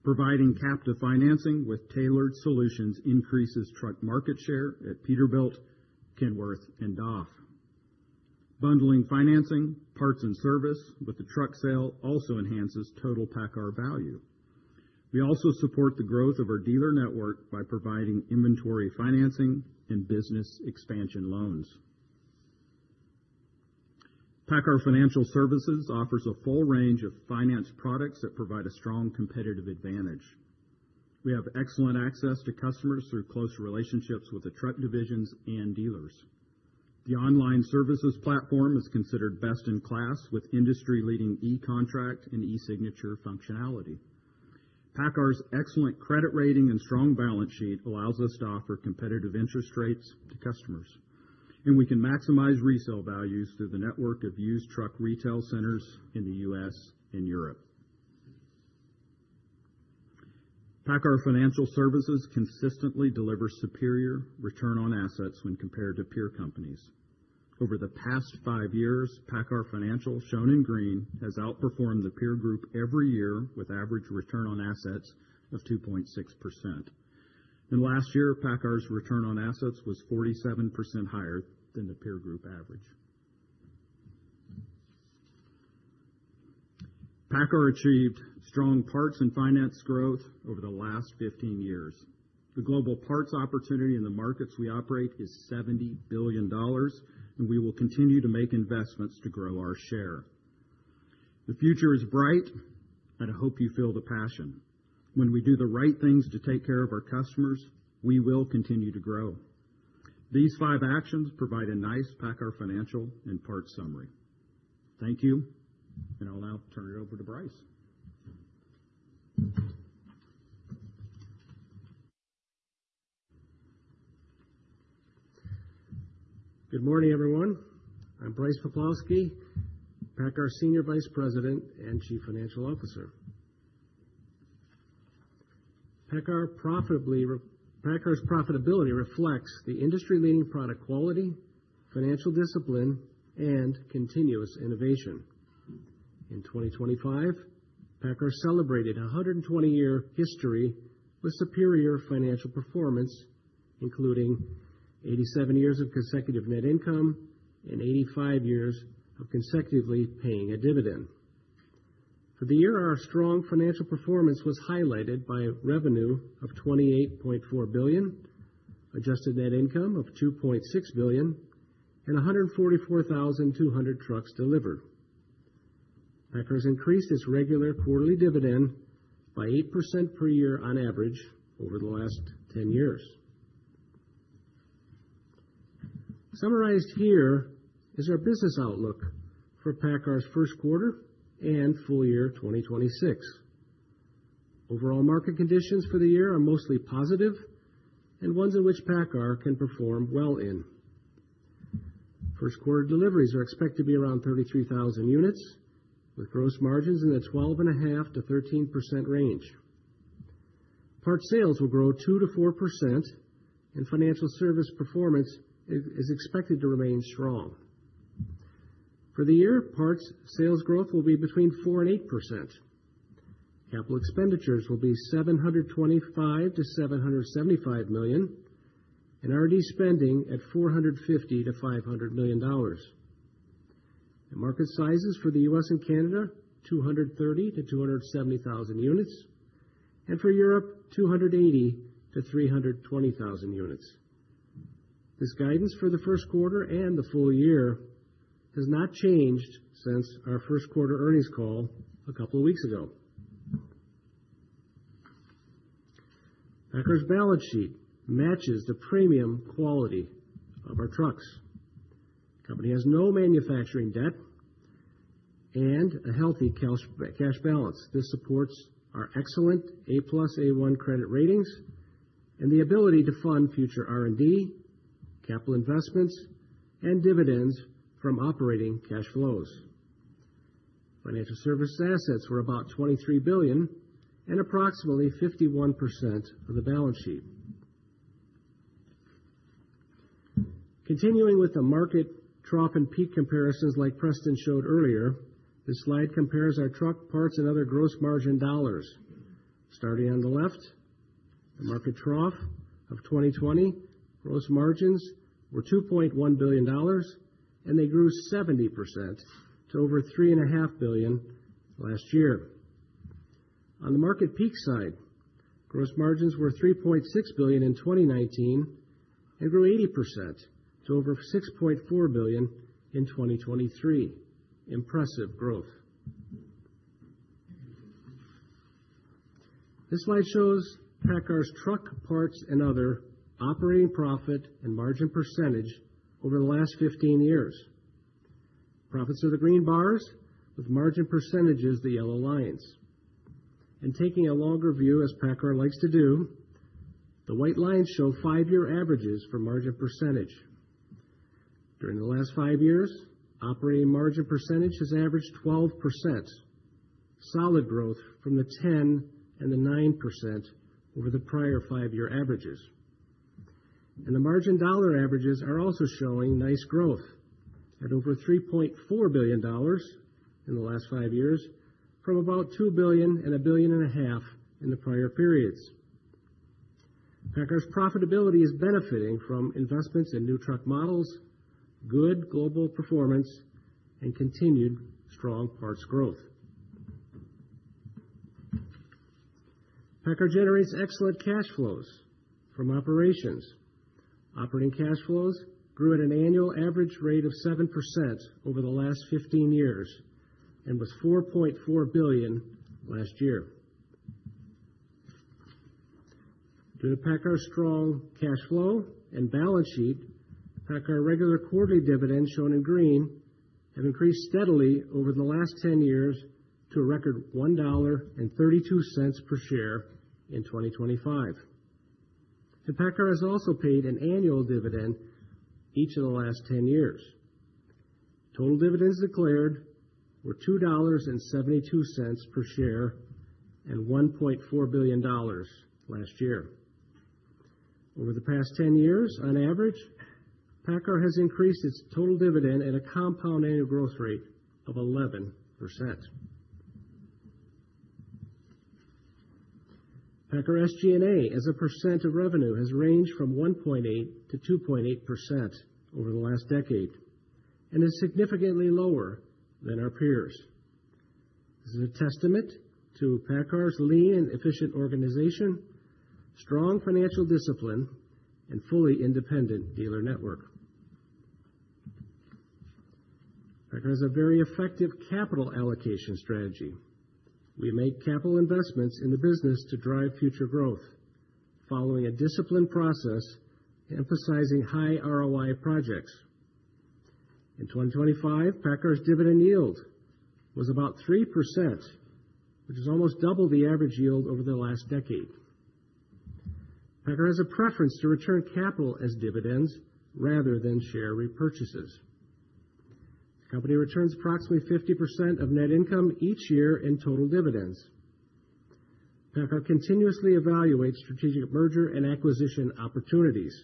Providing captive financing with tailored solutions increases truck market share at Peterbilt, Kenworth, and DAF. Bundling financing, parts, and service with the truck sale also enhances total PACCAR value. We also support the growth of our dealer network by providing inventory, financing, and business expansion loans. PACCAR Financial Services offers a full range of finance products that provide a strong competitive advantage. We have excellent access to customers through close relationships with the truck divisions and dealers. The online services platform is considered best in class, with industry-leading e-contract and e-signature functionality. PACCAR's excellent credit rating and strong balance sheet allows us to offer competitive interest rates to customers, and we can maximize resale values through the network of used truck retail centers in the U.S. and Europe. PACCAR Financial Services consistently delivers superior return on assets when compared to peer companies. Over the past five years, PACCAR Financial, shown in green, has outperformed the peer group every year, with average return on assets of 2.6%. Last year, PACCAR's return on assets was 47% higher than the peer group average. PACCAR achieved strong parts and finance growth over the last 15 years. The global parts opportunity in the markets we operate is $70 billion, and we will continue to make investments to grow our share. The future is bright, and I hope you feel the passion. When we do the right things to take care of our customers, we will continue to grow. These five actions provide a nice PACCAR Financial and parts summary. Thank you, and I'll now turn it over to Brice. Good morning, everyone. I'm Brice Poplawski, PACCAR Senior Vice President and Chief Financial Officer. PACCAR's profitability reflects the industry-leading product quality, financial discipline, and continuous innovation. In 2025, PACCAR celebrated 120-year history with superior financial performance, including 87 years of consecutive net income and 85 years of consecutively paying a dividend. For the year, our strong financial performance was highlighted by revenue of $28.4 billion, adjusted net income of $2.6 billion, and 144,200 trucks delivered. PACCAR has increased its regular quarterly dividend by 8% per year on average over the last 10 years. Summarized here is our business outlook for PACCAR's first quarter and full year 2026. Overall market conditions for the year are mostly positive and ones in which PACCAR can perform well in. First quarter deliveries are expected to be around 33,000 units, with gross margins in the 12.5%-13% range. Parts sales will grow 2%-4%, and financial service performance is expected to remain strong. For the year, parts sales growth will be between 4% and 8%. Capital expenditures will be $725 million-$775 million, and R&D spending at $450 million-$500 million. The market sizes for the U.S. and Canada, 230,000-270,000 units, and for Europe, 280,000-320,000 units. This guidance for the first quarter and the full year has not changed since our first quarter earnings call a couple of weeks ago. PACCAR's balance sheet matches the premium quality of our trucks. The company has no manufacturing debt and a healthy cash balance. This supports our excellent A+, A1 credit ratings and the ability to fund future R&D, capital investments, and dividends from operating cash flows. Financial service assets were about $23 billion and approximately 51% of the balance sheet. Continuing with the market trough and peak comparisons, like Preston showed earlier, this slide compares our truck parts and other gross margin dollars. Starting on the left, the market trough of 2020, gross margins were $2.1 billion, and they grew 70% to over $3.5 billion last year. On the market peak side, gross margins were $3.6 billion in 2019 and grew 80% to over $6.4 billion in 2023. Impressive growth. This slide shows PACCAR's truck parts and other operating profit and margin percentage over the last 15 years. Profits are the green bars, with margin percentages the yellow lines. Taking a longer view, as PACCAR likes to do, the white lines show 5-year averages for margin percentage. During the last 5 years, operating margin percentage has averaged 12%, solid growth from the 10% and the 9% over the prior 5-year averages. The margin dollar averages are also showing nice growth at over $3.4 billion in the last 5 years, from about $2 billion and $1.5 billion in the prior periods. PACCAR's profitability is benefiting from investments in new truck models, good global performance, and continued strong parts growth. PACCAR generates excellent cash flows from operations. Operating cash flows grew at an annual average rate of 7% over the last 15 years and was $4.4 billion last year. Due to PACCAR's strong cash flow and balance sheet, PACCAR regular quarterly dividends, shown in green, have increased steadily over the last 10 years to a record $1.32 per share in 2025. PACCAR has also paid an annual dividend each of the last 10 years. Total dividends declared were $2.72 per share and $1.4 billion last year. Over the past 10 years, on average, PACCAR has increased its total dividend at a compound annual growth rate of 11%. PACCAR SG&A, as a percent of revenue, has ranged from 1.8%-2.8% over the last decade and is significantly lower than our peers. This is a testament to PACCAR's lean and efficient organization, strong financial discipline, and fully independent dealer network. PACCAR has a very effective capital allocation strategy. We make capital investments in the business to drive future growth, following a disciplined process, emphasizing high ROI projects.... In 2025, PACCAR's dividend yield was about 3%, which is almost double the average yield over the last decade. PACCAR has a preference to return capital as dividends rather than share repurchases. The company returns approximately 50% of net income each year in total dividends. PACCAR continuously evaluates strategic merger and acquisition opportunities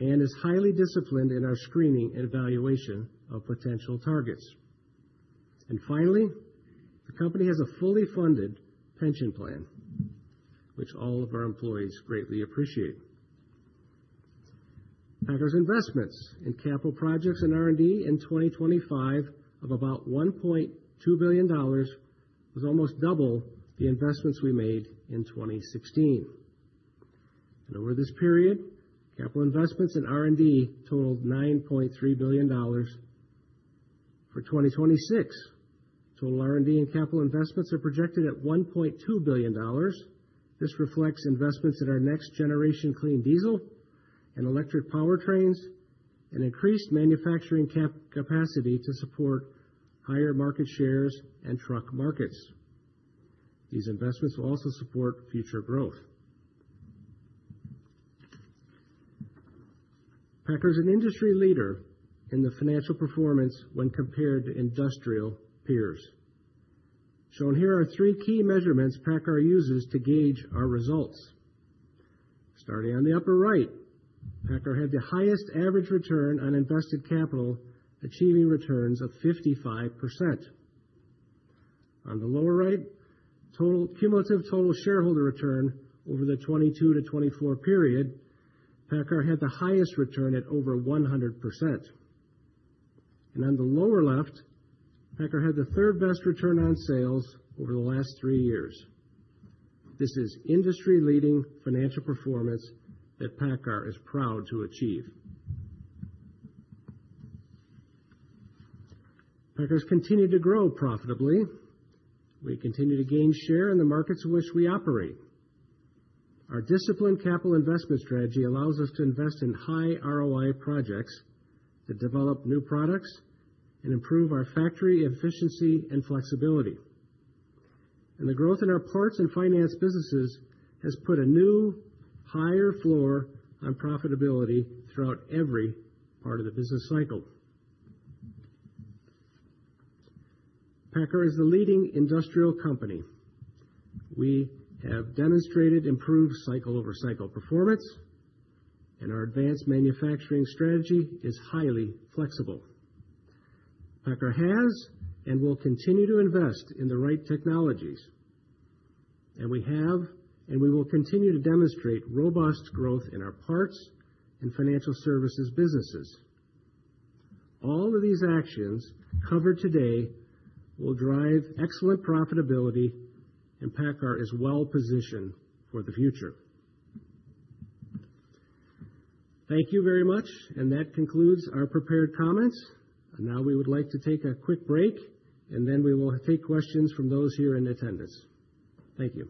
and is highly disciplined in our screening and evaluation of potential targets. And finally, the company has a fully funded pension plan, which all of our employees greatly appreciate. PACCAR's investments in capital projects and R&D in 2025 of about $1.2 billion was almost double the investments we made in 2016. Over this period, capital investments in R&D totaled $9.3 billion. For 2026, total R&D and capital investments are projected at $1.2 billion. This reflects investments in our next-generation clean diesel and electric powertrains and increased manufacturing capacity to support higher market shares and truck markets. These investments will also support future growth. PACCAR is an industry leader in the financial performance when compared to industrial peers. Shown here are three key measurements PACCAR uses to gauge our results. Starting on the upper right, PACCAR had the highest average return on invested capital, achieving returns of 55%. On the lower right, total cumulative total shareholder return over the 2022 to 2024 period, PACCAR had the highest return at over 100%. On the lower left, PACCAR had the third best return on sales over the last three years. This is industry-leading financial performance that PACCAR is proud to achieve. PACCAR's continued to grow profitably. We continue to gain share in the markets in which we operate. Our disciplined capital investment strategy allows us to invest in high ROI projects, to develop new products, and improve our factory efficiency and flexibility. The growth in our parts and finance businesses has put a new, higher floor on profitability throughout every part of the business cycle. PACCAR is a leading industrial company. We have demonstrated improved cycle-over-cycle performance, and our advanced manufacturing strategy is highly flexible. PACCAR has and will continue to invest in the right technologies, and we have, and we will continue to demonstrate robust growth in our parts and financial services businesses. All of these actions covered today will drive excellent profitability, and PACCAR is well positioned for the future. Thank you very much, and that concludes our prepared comments. And now we would like to take a quick break, and then we will take questions from those here in attendance. Thank you. ...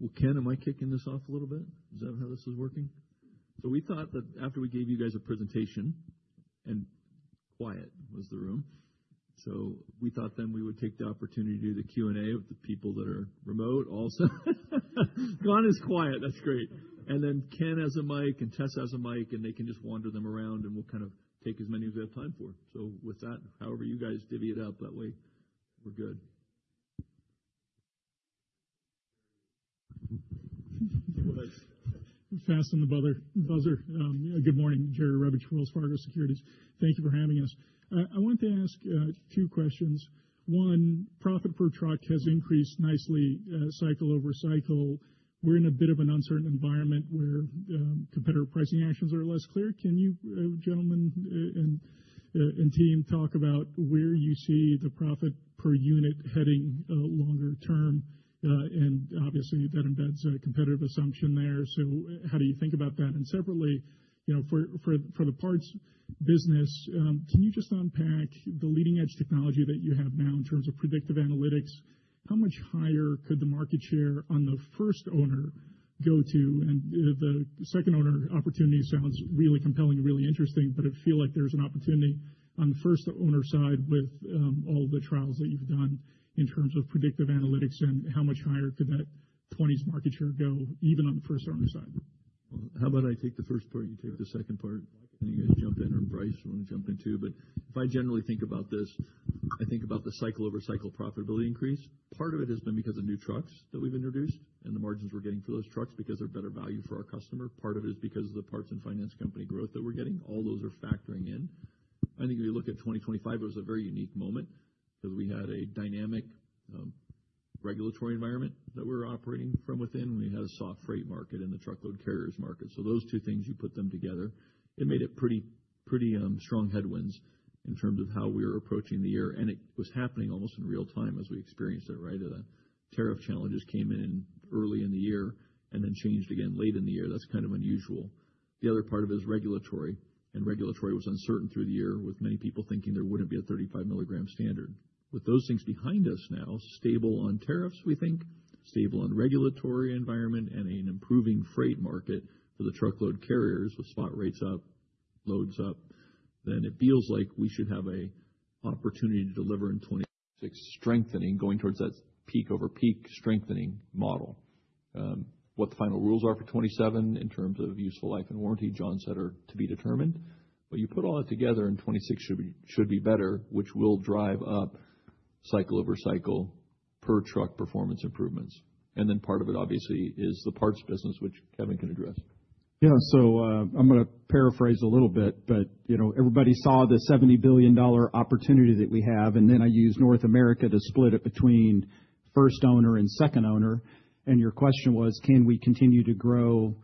Well, Ken, am I kicking this off a little bit? Is that how this is working? So we thought that after we gave you guys a presentation, and quiet was the room, so we thought then we would take the opportunity to do the Q&A with the people that are remote also. John is quiet. That's great. And then Ken has a mic, and Tess has a mic, and they can just wander them around, and we'll kind of take as many as we have time for. So with that, however you guys divvy it up, that way, we're good. Good morning, Jerry Revich, Wells Fargo Securities. Thank you for having us. I wanted to ask two questions. One, profit per truck has increased nicely, cycle over cycle. We're in a bit of an uncertain environment where competitor pricing actions are less clear. Can you, gentlemen, and team, talk about where you see the profit per unit heading, longer term? And obviously, that embeds a competitive assumption there. So how do you think about that? And separately, you know, for the parts business, can you just unpack the leading-edge technology that you have now in terms of predictive analytics? How much higher could the market share on the first owner go to? The second owner opportunity sounds really compelling, really interesting, but I feel like there's an opportunity on the first owner side with all the trials that you've done in terms of predictive analytics, and how much higher could that 20s market share go, even on the first owner side? How about I take the first part, you take the second part, and you guys jump in, or Brice want to jump in, too. But if I generally think about this, I think about the cycle-over-cycle profitability increase. Part of it has been because of new trucks that we've introduced and the margins we're getting for those trucks because they're better value for our customer. Part of it is because of the parts and finance company growth that we're getting. All those are factoring in. I think if you look at 2025, it was a very unique moment because we had a dynamic, regulatory environment that we were operating from within. We had a soft freight market in the truckload carriers market. So those two things, you put them together, it made it pretty, pretty, strong headwinds in terms of how we were approaching the year, and it was happening almost in real time as we experienced it, right? The tariff challenges came in early in the year and then changed again late in the year. That's kind of unusual. The other part of it is regulatory, and regulatory was uncertain through the year, with many people thinking there wouldn't be a 35 mg standard. With those things behind us now, stable on tariffs, we think, stable on regulatory environment and an improving freight market for the truckload carriers with spot rates up, loads up, then it feels like we should have a opportunity to deliver in 2026, strengthening, going towards that peak-over-peak strengthening model. What the final rules are for 2027 in terms of useful life and warranty, John said, are to be determined, but you put all that together, and 2026 should be, should be better, which will drive up cycle-over-cycle per truck performance improvements. And then part of it, obviously, is the parts business, which Kevin can address.... Yeah, so, I'm gonna paraphrase a little bit, but, you know, everybody saw the $70 billion opportunity that we have, and then I used North America to split it between first owner and second owner. And your question was, can we continue to grow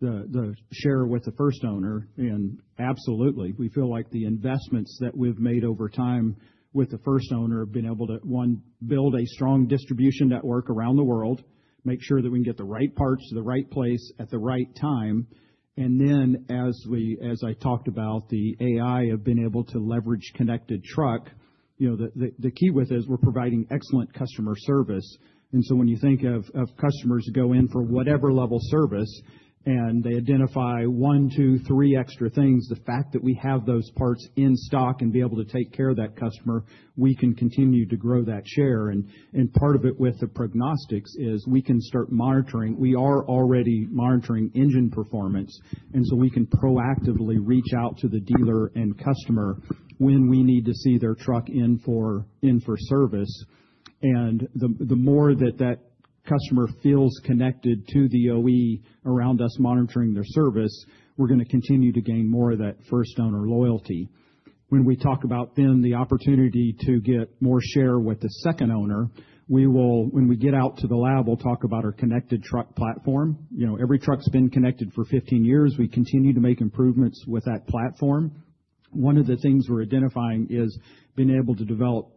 the, the share with the first owner? And absolutely. We feel like the investments that we've made over time with the first owner have been able to, one, build a strong distribution network around the world, make sure that we can get the right parts to the right place at the right time, and then as we, as I talked about, the AI have been able to leverage Connected Truck. You know, the key with it is we're providing excellent customer service, and so when you think of customers go in for whatever level of service, and they identify one, two, three extra things, the fact that we have those parts in stock and be able to take care of that customer, we can continue to grow that share. And part of it with the prognostics is we can start monitoring... We are already monitoring engine performance, and so we can proactively reach out to the dealer and customer when we need to see their truck in for service. And the more that customer feels connected to the OE around us monitoring their service, we're gonna continue to gain more of that first owner loyalty. When we talk about then the opportunity to get more share with the second owner, we will, when we get out to the lab, we'll talk about our connected truck platform. You know, every truck's been connected for 15 years. We continue to make improvements with that platform. One of the things we're identifying is being able to develop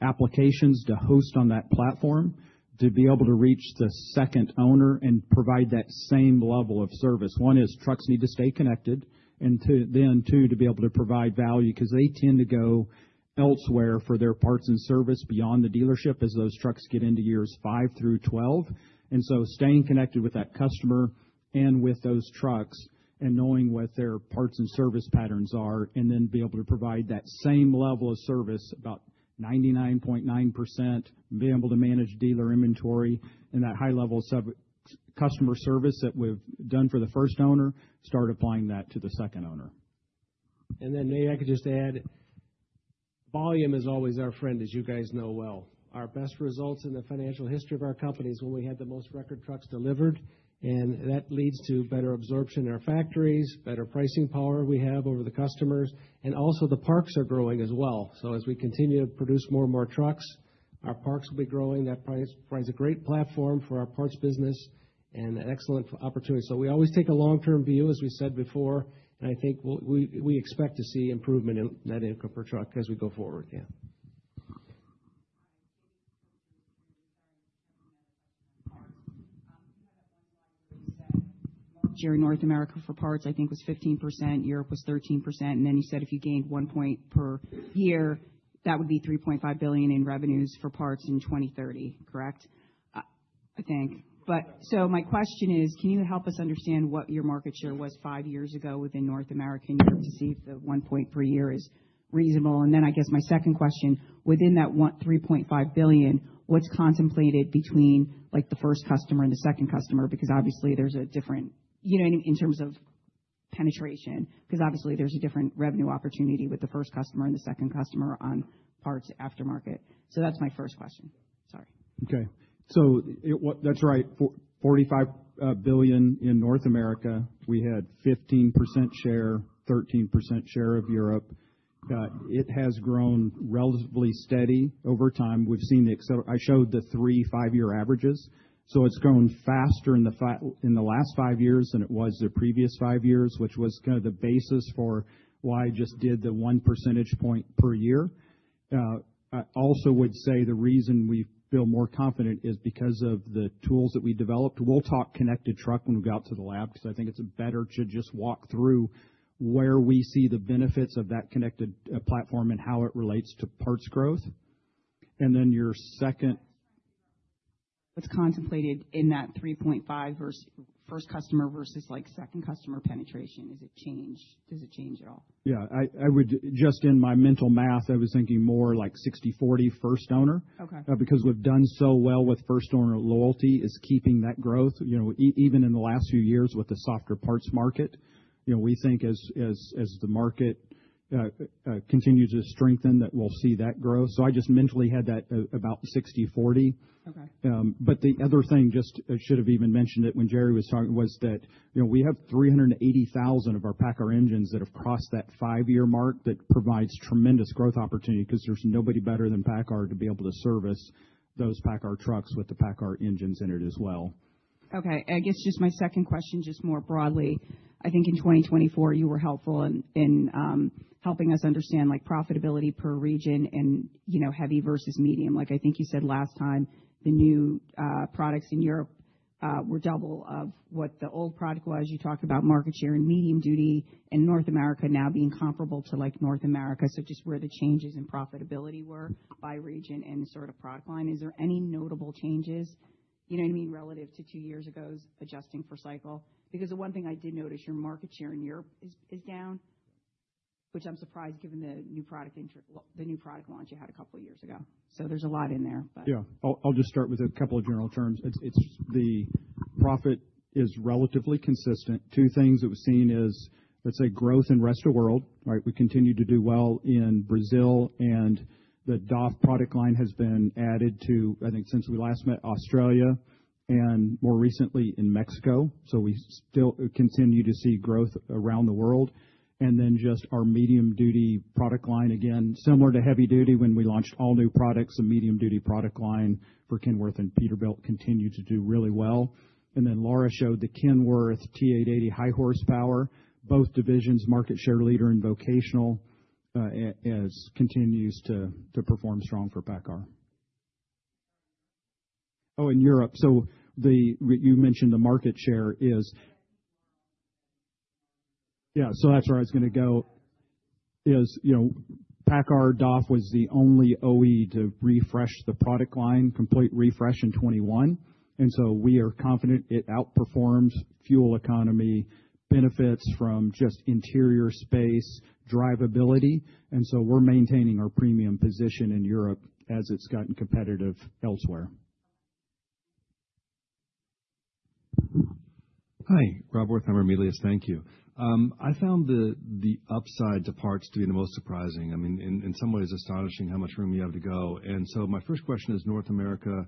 applications to host on that platform, to be able to reach the second owner and provide that same level of service. One is trucks need to stay connected, and two, then, two, to be able to provide value, 'cause they tend to go elsewhere for their parts and service beyond the dealership as those trucks get into years 5 through 12. So staying connected with that customer and with those trucks and knowing what their parts and service patterns are, and then be able to provide that same level of service, about 99.9%, and be able to manage dealer inventory and that high level of customer service that we've done for the first owner, start applying that to the second owner. And I could just add, volume is always our friend, as you guys know well. Our best results in the financial history of our company is when we had the most record trucks delivered, and that leads to better absorption in our factories, better pricing power we have over the customers, and also the parts are growing as well. So as we continue to produce more and more trucks, our parts will be growing. That provides a great platform for our parts business and an excellent opportunity. So we always take a long-term view, as we said before, and I think we'll expect to see improvement in net income per truck as we go forward. Yeah. Jerry, North America for parts, I think, was 15%, Europe was 13%, and then you said if you gained 1 point per year, that would be $3.5 billion in revenues for parts in 2030, correct? I think. But so my question is, can you help us understand what your market share was five years ago within North America to see if the 1 point per year is reasonable? And then I guess my second question, within that 1-3.5 billion, what's contemplated between, like, the first customer and the second customer? Because obviously there's a different, you know, in, in terms of penetration, 'cause obviously there's a different revenue opportunity with the first customer and the second customer on parts aftermarket. So that's my first question. Sorry. Okay. So that's right. $45 billion in North America. We had 15% share, 13% share of Europe. It has grown relatively steady over time. We've seen the acceleration. I showed the three 5-year averages, so it's grown faster in the last 5 years than it was the previous 5 years, which was kind of the basis for why I just did the 1 percentage point per year. I also would say the reason we feel more confident is because of the tools that we developed. We'll talk Connected Truck when we go out to the lab, because I think it's better to just walk through where we see the benefits of that Connected Truck platform and how it relates to parts growth. And then your second? What's contemplated in that 3.5 versus first customer versus, like, second customer penetration? Does it change? Does it change at all? Yeah, I would... Just in my mental math, I was thinking more like 60/40 first owner. Okay. Because we've done so well with first owner loyalty, is keeping that growth. You know, even in the last few years with the softer parts market, you know, we think as, as, as the market continues to strengthen, that we'll see that grow. So I just mentally had that about 60/40. Okay. But the other thing, just I should have even mentioned it when Jerry was talking, was that, you know, we have 380,000 of our PACCAR engines that have crossed that five-year mark that provides tremendous growth opportunity, 'cause there's nobody better than PACCAR to be able to service those PACCAR trucks with the PACCAR engines in it as well. Okay. I guess just my second question, just more broadly, I think in 2024, you were helpful in helping us understand, like, profitability per region and, you know, heavy versus medium. Like, I think you said last time, the new products in Europe were double of what the old product was. You talked about market share and medium duty in North America now being comparable to, like, North America. So just where the changes in profitability were by region and sort of product line. Is there any notable changes, you know what I mean, relative to two years ago, adjusting for cycle? Because the one thing I did notice, your market share in Europe is down. ... which I'm surprised, given the new product intro, the new product launch you had a couple of years ago. So there's a lot in there, but. Yeah, I'll just start with a couple of general terms. It's the profit is relatively consistent. Two things that we've seen is, let's say, growth in rest of world, right? We continue to do well in Brazil, and the DAF product line has been added to, I think, since we last met, Australia, and more recently in Mexico. So we still continue to see growth around the world. And then just our medium-duty product line, again, similar to heavy duty, when we launched all new products, the medium-duty product line for Kenworth and Peterbilt continue to do really well. And then Laura showed the Kenworth T880 high horsepower, both divisions, market share leader in vocational, as continues to perform strong for PACCAR. Oh, in Europe. Yeah, so that's where I was gonna go, is, you know, PACCAR-DAF was the only OE to refresh the product line, complete refresh in 2021, and so we are confident it outperforms fuel economy, benefits from just interior space, drivability, and so we're maintaining our premium position in Europe as it's gotten competitive elsewhere. Hi, Rob Wertheimer, Melius. Thank you. I found the upside to parts to be the most surprising, I mean, in some ways, astonishing how much room you have to go. And so my first question is North America,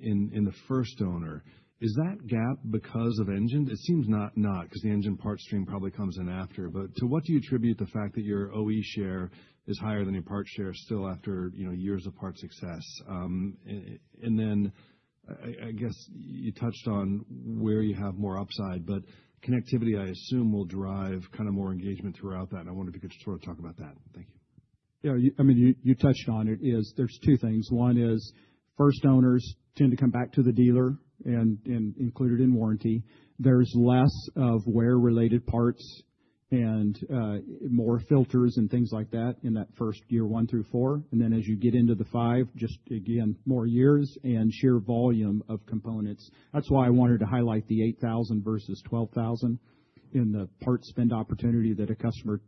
in the first owner, is that gap because of engine? It seems not because the engine parts stream probably comes in after. But to what do you attribute the fact that your OE share is higher than your parts share still after, you know, years of parts success? And then, I guess you touched on where you have more upside, but connectivity, I assume, will drive kind of more engagement throughout that, and I wondered if you could sort of talk about that. Thank you. Yeah, I mean, you touched on it. There's two things. One is first owners tend to come back to the dealer and include it in warranty. There's less of wear-related parts and more filters and things like that in that first year, 1 through 4. And then as you get into the five, just again, more years and sheer volume of components. That's why I wanted to highlight the 8,000 versus 12,000 in the parts spend opportunity that a customer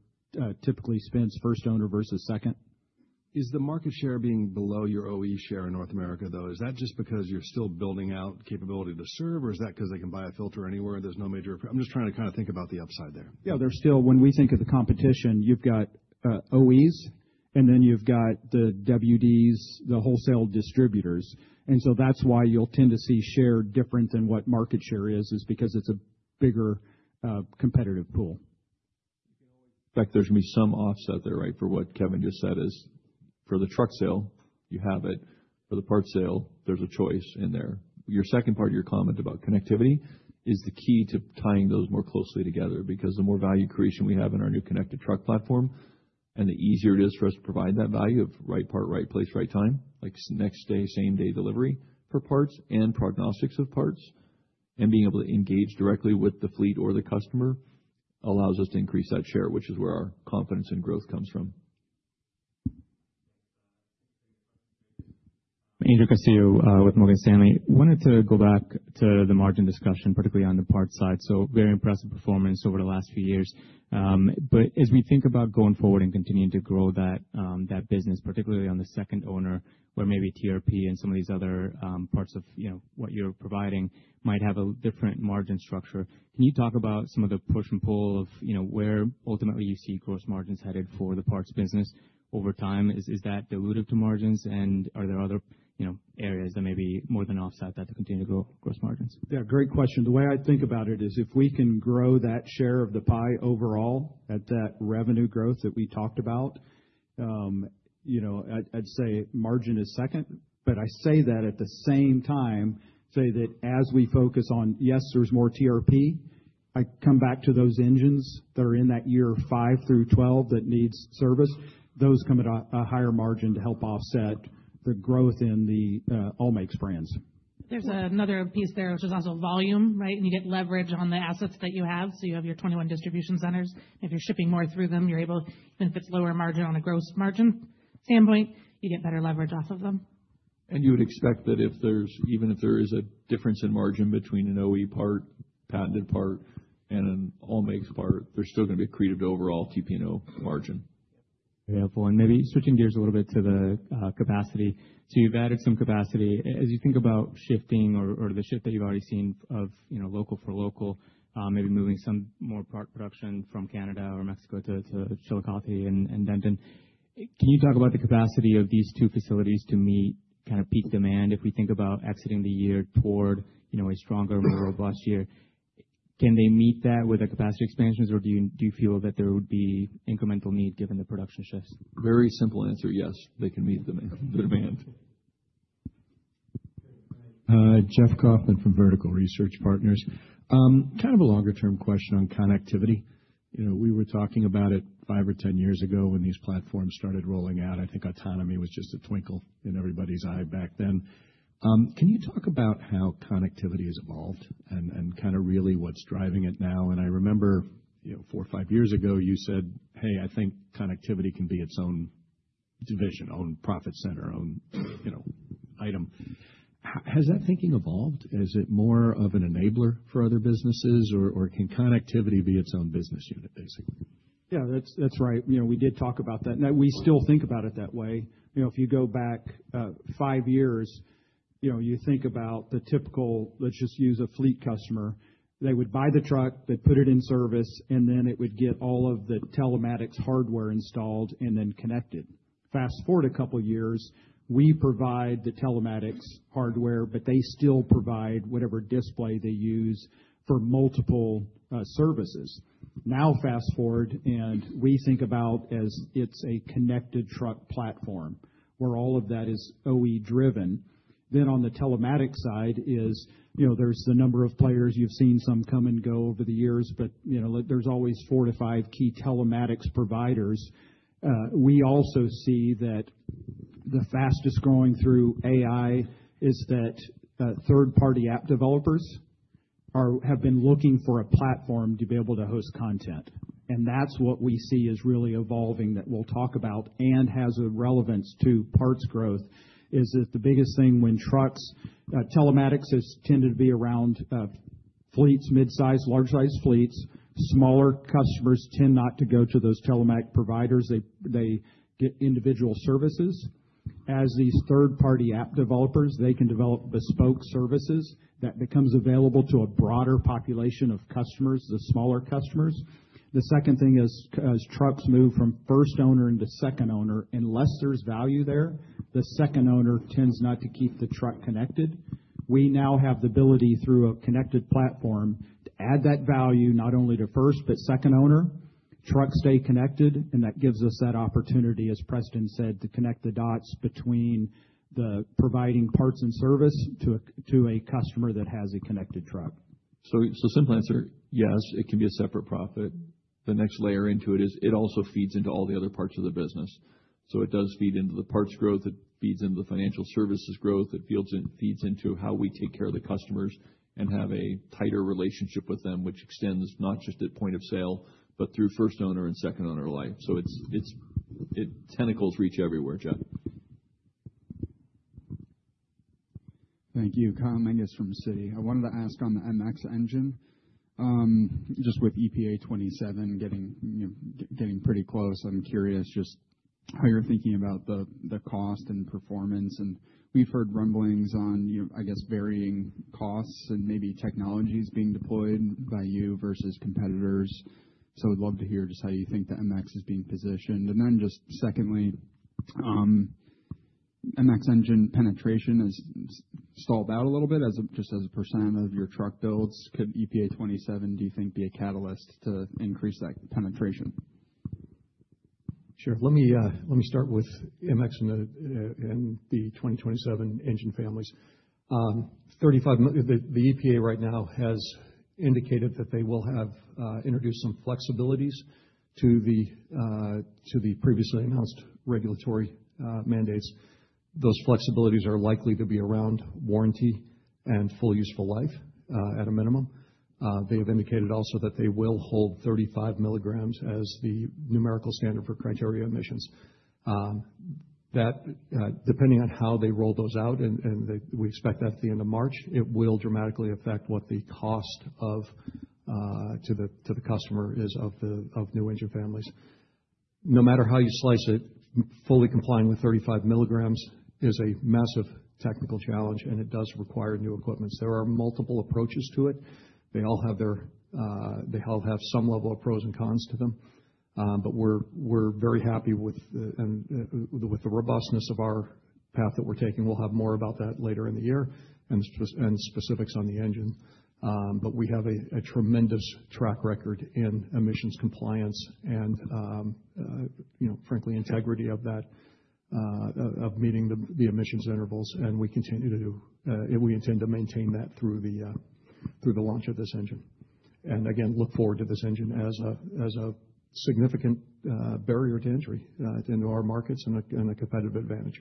typically spends, first owner versus second. Is the market share being below your OE share in North America, though? Is that just because you're still building out capability to serve, or is that 'cause they can buy a filter anywhere, and there's no major...? I'm just trying to kind of think about the upside there. Yeah, there's still, when we think of the competition, you've got OEs, and then you've got the WDs, the wholesale distributors. And so that's why you'll tend to see share different than what market share is, because it's a bigger competitive pool. In fact, there's gonna be some offset there, right? For what Kevin just said is, for the truck sale, you have it. For the parts sale, there's a choice in there. Your second part of your comment about connectivity is the key to tying those more closely together, because the more value creation we have in our new connected truck platform, and the easier it is for us to provide that value of right part, right place, right time, like next day, same-day delivery for parts and prognostics of parts, and being able to engage directly with the fleet or the customer, allows us to increase that share, which is where our confidence in growth comes from. Angel Castillo with Morgan Stanley. Wanted to go back to the margin discussion, particularly on the parts side. Very impressive performance over the last few years. But as we think about going forward and continuing to grow that business, particularly on the second owner, where maybe TRP and some of these other parts of, you know, what you're providing, might have a different margin structure, can you talk about some of the push and pull of, you know, where ultimately you see gross margins headed for the parts business over time? Is that dilutive to margins, and are there other, you know, areas that maybe more than offset that to continue to grow gross margins? Yeah, great question. The way I think about it is if we can grow that share of the pie overall at that revenue growth that we talked about, you know, I'd, I'd say margin is second. But I say that at the same time, say that as we focus on, yes, there's more TRP, I come back to those engines that are in that year 5 through 12 that needs service. Those come at a higher margin to help offset the growth in the all makes brands. There's another piece there, which is also volume, right? And you get leverage on the assets that you have. So you have your 21 distribution centers. If you're shipping more through them, you're able, even if it's lower margin on a gross margin standpoint, you get better leverage off of them. You would expect that if there's, even if there is a difference in margin between an OE part, patented part, and an all-makes part, there's still gonna be accretive to overall TP&O margin. Yeah, and maybe switching gears a little bit to the capacity. So you've added some capacity. As you think about shifting or the shift that you've already seen of, you know, local for local, maybe moving some more part production from Canada or Mexico to Chillicothe and Denton, can you talk about the capacity of these two facilities to meet kind of peak demand if we think about exiting the year toward, you know, a stronger, more robust year? Can they meet that with the capacity expansions, or do you feel that there would be incremental need given the production shifts? Very simple answer, yes, they can meet the demand. Jeff Kauffman from Vertical Research Partners. Kind of a longer-term question on connectivity. You know, we were talking about it 5 or 10 years ago when these platforms started rolling out. I think autonomy was just a twinkle in everybody's eye back then. Can you talk about how connectivity has evolved and kind of really what's driving it now? And I remember, you know, 4 or 5 years ago, you said, "Hey, I think connectivity can be its own-... division, own profit center, own, you know, item. Has that thinking evolved? Is it more of an enabler for other businesses, or, or can connectivity be its own business unit, basically? Yeah, that's, that's right. You know, we did talk about that, and we still think about it that way. You know, if you go back five years, you know, you think about the typical, let's just use a fleet customer. They would buy the truck, they'd put it in service, and then it would get all of the telematics hardware installed and then connected. Fast-forward a couple years, we provide the telematics hardware, but they still provide whatever display they use for multiple services. Now, fast-forward, and we think about as it's a connected truck platform, where all of that is OE driven. Then on the telematics side is, you know, there's a number of players. You've seen some come and go over the years, but, you know, there's always four to five key telematics providers. We also see that the fastest growing through AI is that third-party app developers have been looking for a platform to be able to host content. And that's what we see is really evolving, that we'll talk about, and has a relevance to parts growth, is that the biggest thing when trucks telematics has tended to be around fleets, mid-sized, large-sized fleets. Smaller customers tend not to go to those telematics providers. They, they get individual services. As these third-party app developers, they can develop bespoke services that becomes available to a broader population of customers, the smaller customers. The second thing is, as trucks move from first owner into second owner, unless there's value there, the second owner tends not to keep the truck connected. We now have the ability, through a connected platform, to add that value not only to first, but second owner. Trucks stay connected, and that gives us that opportunity, as Preston said, to connect the dots between the providing parts and service to a customer that has a connected truck. So, simple answer, yes, it can be a separate profit. The next layer into it is it also feeds into all the other parts of the business. So it does feed into the parts growth, it feeds into the financial services growth, it feeds into how we take care of the customers and have a tighter relationship with them, which extends not just at point of sale, but through first owner and second owner life. So it's, its tentacles reach everywhere, Jeff. Thank you. Kyle Menges from Citi. I wanted to ask on the MX engine, just with EPA 2027 getting, you know, getting pretty close, I'm curious just how you're thinking about the, the cost and performance. And we've heard rumblings on, you know, I guess, varying costs and maybe technologies being deployed by you versus competitors. So I would love to hear just how you think the MX is being positioned. And then just secondly, MX engine penetration is stalled out a little bit, just as a percent of your truck builds. Could EPA 2027, do you think, be a catalyst to increase that penetration? Sure. Let me start with MX and the 2027 engine families. The EPA right now has indicated that they will have introduced some flexibilities to the previously announced regulatory mandates. Those flexibilities are likely to be around warranty and full useful life at a minimum. They have indicated also that they will hold 35 mg as the numerical standard for criteria emissions. That, depending on how they roll those out, and we expect that at the end of March, it will dramatically affect what the cost to the customer is of the new engine families. No matter how you slice it, fully complying with 35 mg is a massive technical challenge, and it does require new equipment. There are multiple approaches to it. They all have some level of pros and cons to them. But we're very happy with the robustness of our path that we're taking. We'll have more about that later in the year, and specifics on the engine. But we have a tremendous track record in emissions compliance and, you know, frankly, integrity of that, of meeting the emissions intervals, and we continue to and we intend to maintain that through the launch of this engine. And again, look forward to this engine as a significant barrier to entry into our markets and a competitive advantage.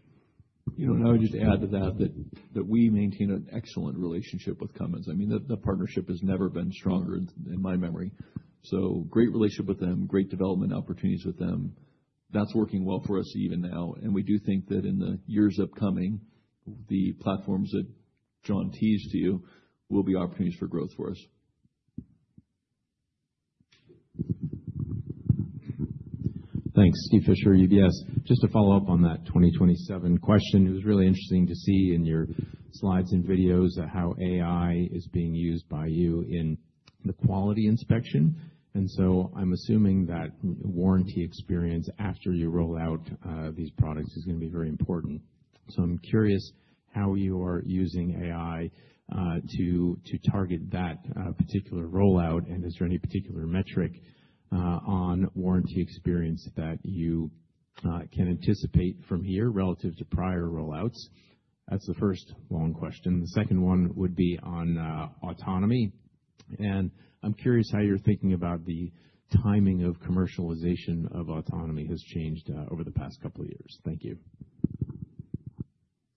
You know, and I would just add to that, that we maintain an excellent relationship with Cummins. I mean, the partnership has never been stronger in my memory. So great relationship with them, great development opportunities with them. That's working well for us even now. And we do think that in the years upcoming, the platforms that John teased you, will be opportunities for growth for us. Thanks. Steve Fisher, UBS. Just to follow up on that 2027 question, it was really interesting to see in your slides and videos how AI is being used by you in the quality inspection. And so I'm assuming that warranty experience after you roll out these products is going to be very important. So I'm curious how you are using AI to target that particular rollout, and is there any particular metric on warranty experience that you can anticipate from here relative to prior rollouts? That's the first long question. The second one would be on autonomy. And I'm curious how you're thinking about the timing of commercialization of autonomy has changed over the past couple of years. Thank you....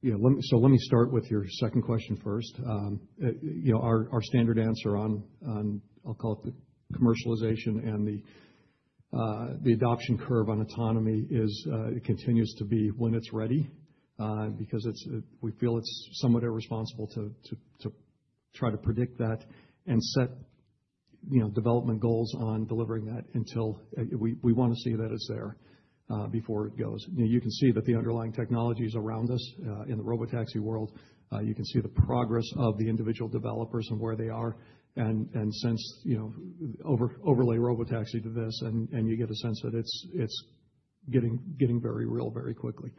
Yeah, let me, so let me start with your second question first. You know, our, our standard answer on, on, I'll call it the commercialization and the adoption curve on autonomy is, it continues to be when it's ready, because it's-- we feel it's somewhat irresponsible to try to predict that and set, you know, development goals on delivering that until we, we wanna see that it's there, before it goes. You can see that the underlying technologies around us in the robotaxi world, you can see the progress of the individual developers and where they are, and since, you know, over-overlay robotaxi to this, and you get a sense that it's getting very real very quickly.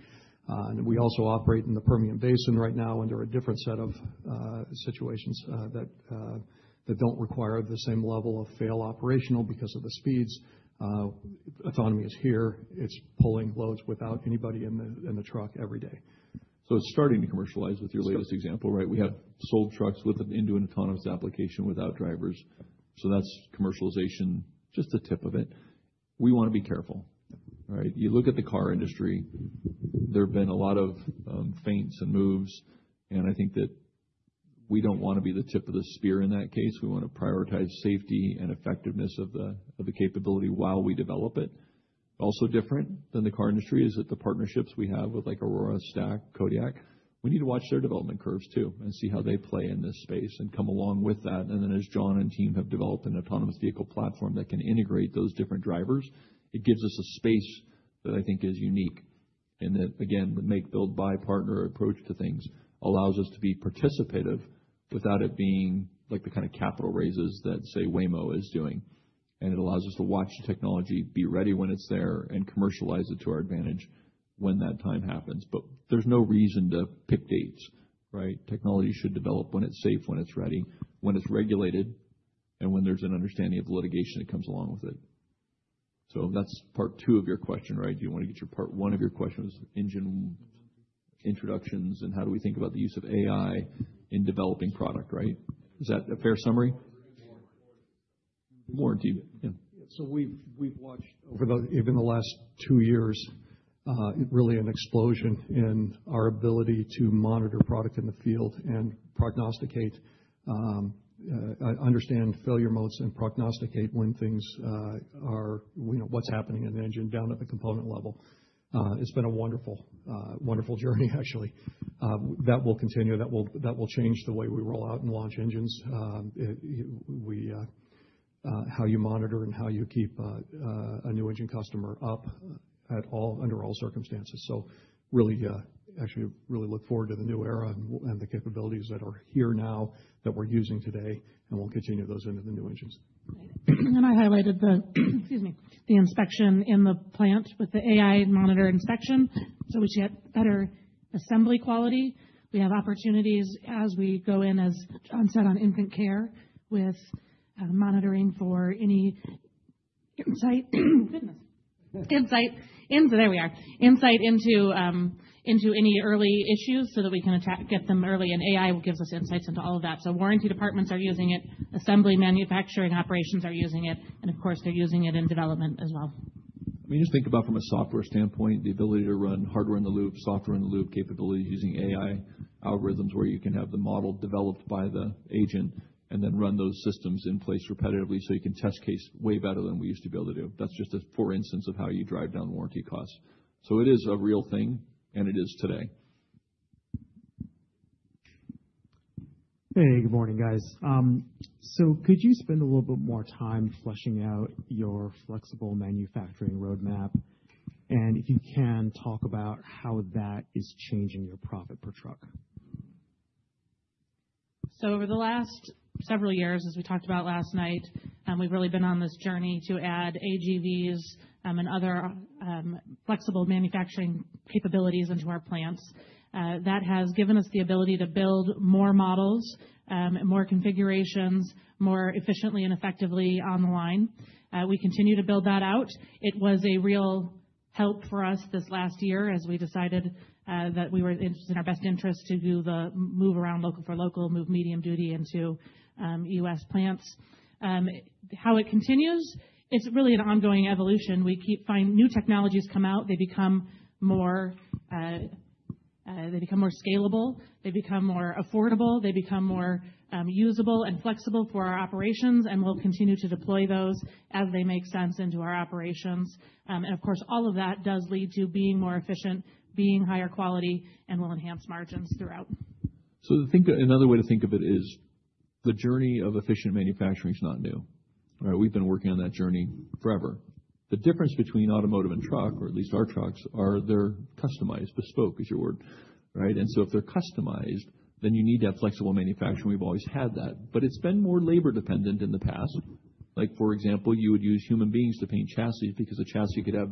We also operate in the Permian Basin right now under a different set of situations that don't require the same level of fail operational because of the speeds. Autonomy is here. It's pulling loads without anybody in the truck every day. So it's starting to commercialize with your latest example, right? We have sold trucks with an autonomous application without drivers, so that's commercialization, just the tip of it. We wanna be careful, all right? You look at the car industry. There have been a lot of feints and moves, and I think that we don't wanna be the tip of the spear in that case. We wanna prioritize safety and effectiveness of the capability while we develop it. Also different than the car industry is that the partnerships we have with, like, Aurora, Stack, Kodiak. We need to watch their development curves, too, and see how they play in this space and come along with that. And then, as John and team have developed an autonomous vehicle platform that can integrate those different drivers, it gives us a space that I think is unique. And that, again, the make, build, buy, partner approach to things allows us to be participative without it being like the kind of capital raises that, say, Waymo is doing. And it allows us to watch technology, be ready when it's there, and commercialize it to our advantage when that time happens. But there's no reason to pick dates, right? Technology should develop when it's safe, when it's ready, when it's regulated, and when there's an understanding of the litigation that comes along with it. So that's part two of your question, right? Do you wanna get your part one of your question, was engine introductions and how do we think about the use of AI in developing product, right? Is that a fair summary? Warranty. Warranty, yeah. So we've watched over even the last two years, really an explosion in our ability to monitor product in the field and prognosticate, understand failure modes and prognosticate when things are. You know, what's happening in the engine down at the component level. It's been a wonderful, wonderful journey, actually. That will continue. That will change the way we roll out and launch engines. How you monitor and how you keep a new engine customer up at all under all circumstances. So really, actually, really look forward to the new era and the capabilities that are here now, that we're using today, and we'll continue those into the new engines. And I highlighted the, excuse me, the inspection in the plant with the AI monitor inspection, so we get better assembly quality. We have opportunities as we go in, as John said, on infant care, with monitoring for any insight into any early issues so that we can attract, get them early, and AI gives us insights into all of that. So warranty departments are using it, assembly, manufacturing, operations are using it, and of course, they're using it in development as well. I mean, just think about from a software standpoint, the ability to run hardware in the loop, software in the loop, capability using AI algorithms, where you can have the model developed by the agent and then run those systems in place repetitively, so you can test case way better than we used to be able to do. That's just a poor instance of how you drive down warranty costs. So it is a real thing, and it is today. Hey, good morning, guys. So could you spend a little bit more time fleshing out your flexible manufacturing roadmap? If you can, talk about how that is changing your profit per truck. So over the last several years, as we talked about last night, we've really been on this journey to add AGVs and other flexible manufacturing capabilities into our plants. That has given us the ability to build more models, more configurations, more efficiently and effectively on the line. We continue to build that out. It was a real help for us this last year as we decided that we were in our best interest to do the move around local for local, move medium duty into U.S. plants. How it continues? It's really an ongoing evolution. We keep finding new technologies come out, they become more scalable, they become more affordable, they become more usable and flexible for our operations, and we'll continue to deploy those as they make sense into our operations. Of course, all of that does lead to being more efficient, being higher quality, and will enhance margins throughout. Another way to think of it is, the journey of efficient manufacturing is not new. Right? We've been working on that journey forever. The difference between automotive and truck, or at least our trucks, are they're customized, bespoke is your word. Right? And so if they're customized, then you need to have flexible manufacturing. We've always had that, but it's been more labor dependent in the past. Like, for example, you would use human beings to paint chassis because a chassis could have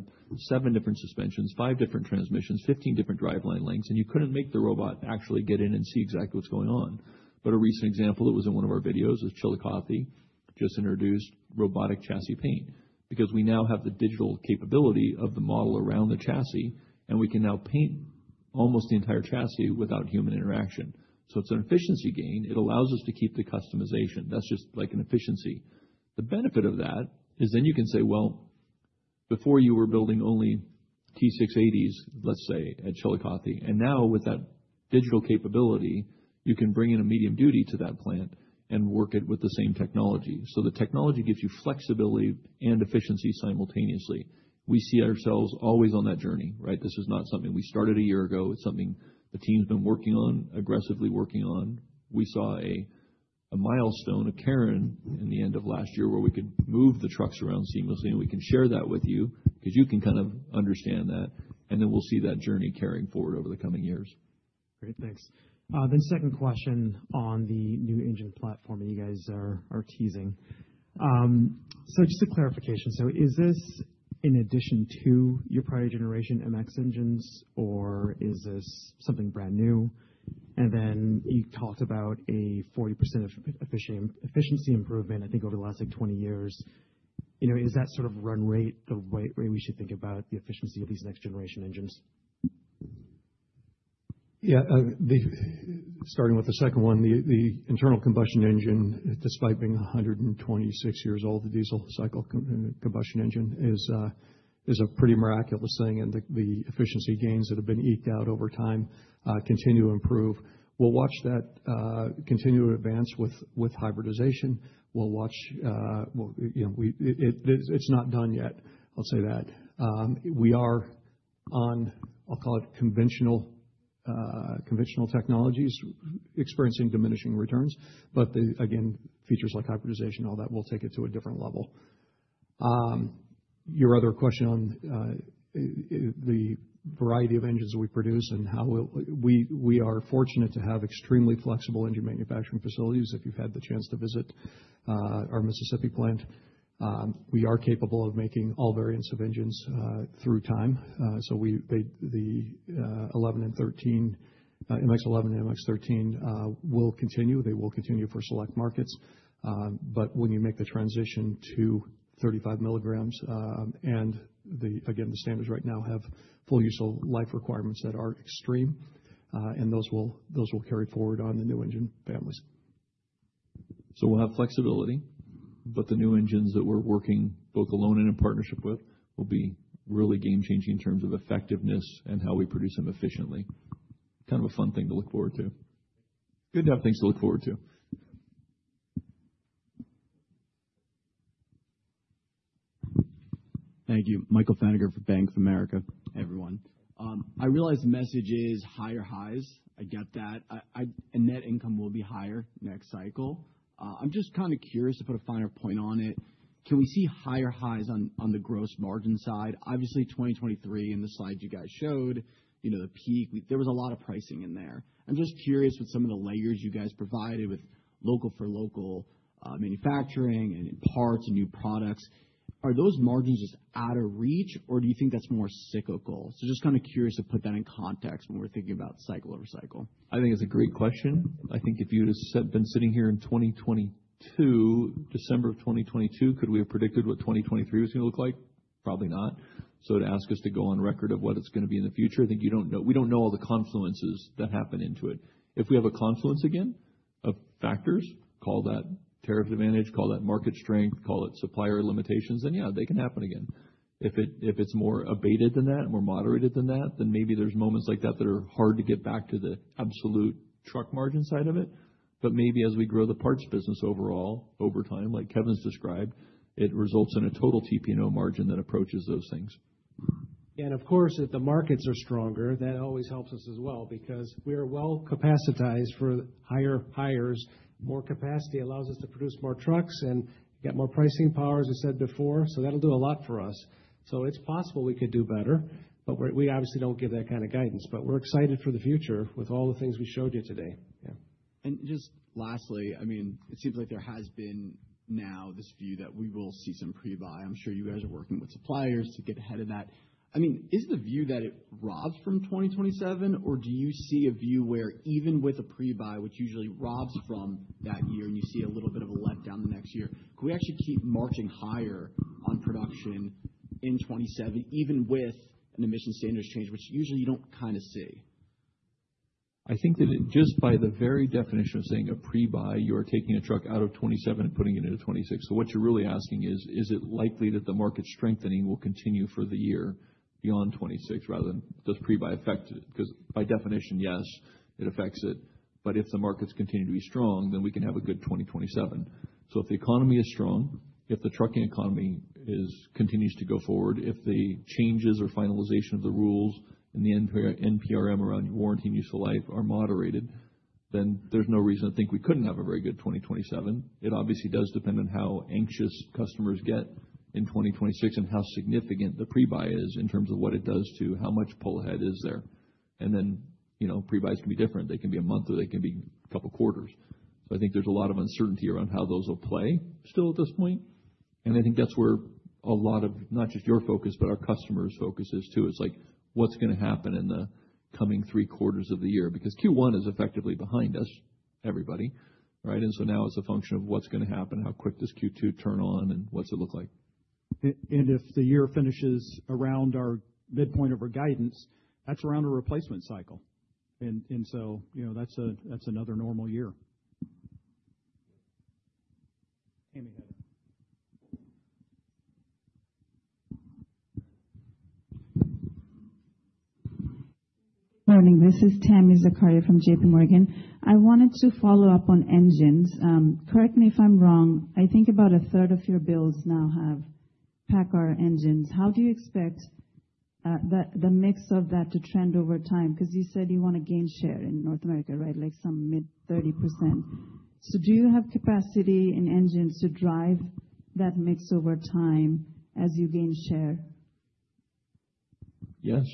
7 different suspensions, 5 different transmissions, 15 different driveline lengths, and you couldn't make the robot actually get in and see exactly what's going on. But a recent example, it was in one of our videos, with Chillicothe, just introduced robotic chassis paint because we now have the digital capability of the model around the chassis, and we can now paint almost the entire chassis without human interaction. So it's an efficiency gain. It allows us to keep the customization. That's just like an efficiency. The benefit of that is then you can say, "Well... Before, you were building only T680s, let's say, at Chillicothe, and now with that digital capability, you can bring in a medium duty to that plant and work it with the same technology. So the technology gives you flexibility and efficiency simultaneously. We see ourselves always on that journey, right? This is not something we started a year ago. It's something the team's been working on, aggressively working on. We saw a milestone occurring in the end of last year, where we could move the trucks around seamlessly, and we can share that with you, because you can kind of understand that, and then we'll see that journey carrying forward over the coming years. Great, thanks. Then second question on the new engine platform that you guys are teasing. So just a clarification: so is this in addition to your prior generation MX engines, or is this something brand new? And then you talked about a 40% efficiency improvement, I think, over the last 20 years. You know, is that sort of run rate the way we should think about the efficiency of these next generation engines? Yeah, starting with the second one, the internal combustion engine, despite being 126 years old, the diesel cycle combustion engine is a pretty miraculous thing, and the efficiency gains that have been eked out over time continue to improve. We'll watch that continue to advance with hybridization. We'll watch, well, you know, it's not done yet, I'll say that. We are on, I'll call it conventional, conventional technologies, experiencing diminishing returns, but again, features like hybridization, all that will take it to a different level. Your other question on the variety of engines we produce and how we'll-- we are fortunate to have extremely flexible engine manufacturing facilities. If you've had the chance to visit our Mississippi plant, we are capable of making all variants of engines through time. So the 11 and 13, MX-11 and MX-13, will continue. They will continue for select markets, but when you make the transition to 35 mg, and the, again, the standards right now have full useful life requirements that are extreme, and those will, those will carry forward on the new engine families. So we'll have flexibility, but the new engines that we're working both alone and in partnership with, will be really game changing in terms of effectiveness and how we produce them efficiently. Kind of a fun thing to look forward to. Good to have things to look forward to. Thank you. Michael Feniger for Bank of America. Hey, everyone. I realize the message is higher highs. I get that. I and net income will be higher next cycle. I'm just kind of curious to put a finer point on it. Can we see higher highs on the gross margin side? Obviously, 2023 in the slides you guys showed, you know, the peak, there was a lot of pricing in there. I'm just curious, with some of the layers you guys provided with local for local manufacturing and in parts and new products, are those margins just out of reach, or do you think that's more cyclical? So just kind of curious to put that in context when we're thinking about cycle over cycle. I think it's a great question. I think if you'd have been sitting here in 2022, December of 2022, could we have predicted what 2023 was going to look like? Probably not. So to ask us to go on record of what it's going to be in the future, I think you don't know, we don't know all the confluences that happen into it. If we have a confluence again, of factors, call that tariff advantage, call that market strength, call it supplier limitations, then, yeah, they can happen again. If it, if it's more abated than that, more moderated than that, then maybe there's moments like that that are hard to get back to the absolute truck margin side of it. Maybe as we grow the parts business overall, over time, like Kevin's described, it results in a total TP&O margin that approaches those things. Of course, if the markets are stronger, that always helps us as well, because we are well capacitized for higher hires. More capacity allows us to produce more trucks and get more pricing power, as I said before, so that'll do a lot for us. So it's possible we could do better, but we, we obviously don't give that kind of guidance. But we're excited for the future with all the things we showed you today. Yeah. And just lastly, I mean, it seems like there has been now this view that we will see some pre-buy. I'm sure you guys are working with suppliers to get ahead of that. I mean, is the view that it robs from 2027, or do you see a view where even with a pre-buy, which usually robs from that year, and you see a little bit of a letdown the next year, can we actually keep marching higher on production in 2027, even with an emission standards change, which usually you don't kind of see? I think that just by the very definition of saying a pre-buy, you are taking a truck out of 2027 and putting it into 2026. So what you're really asking is, is it likely that the market strengthening will continue for the year beyond 2026 rather than does pre-buy affect it? Because by definition, yes, it affects it, but if the markets continue to be strong, then we can have a good 2027. So if the economy is strong, if the trucking economy is, continues to go forward, if the changes or finalization of the rules in the NP- NPRM around warranty and useful life are moderated, then there's no reason to think we couldn't have a very good 2027. It obviously does depend on how anxious customers get in 2026 and how significant the pre-buy is in terms of what it does to how much pull ahead is there. And then, you know, pre-buys can be different. They can be a month, or they can be a couple quarters. So I think there's a lot of uncertainty around how those will play still at this point, and I think that's where a lot of, not just your focus, but our customers' focus is, too. It's like, what's going to happen in the coming 3 quarters of the year? Because Q1 is effectively behind us, everybody, right? And so now it's a function of what's going to happen, how quick does Q2 turn on, and what's it look like? If the year finishes around our midpoint of our guidance, that's around a replacement cycle. So, you know, that's another normal year.... Tami, go ahead. Morning, this is Tami Zakaria from JP Morgan. I wanted to follow up on engines. Correct me if I'm wrong, I think about a third of your builds now have PACCAR engines. How do you expect the mix of that to trend over time? Because you said you want to gain share in North America, right? Like some mid-30%. So do you have capacity in engines to drive that mix over time as you gain share? Yes.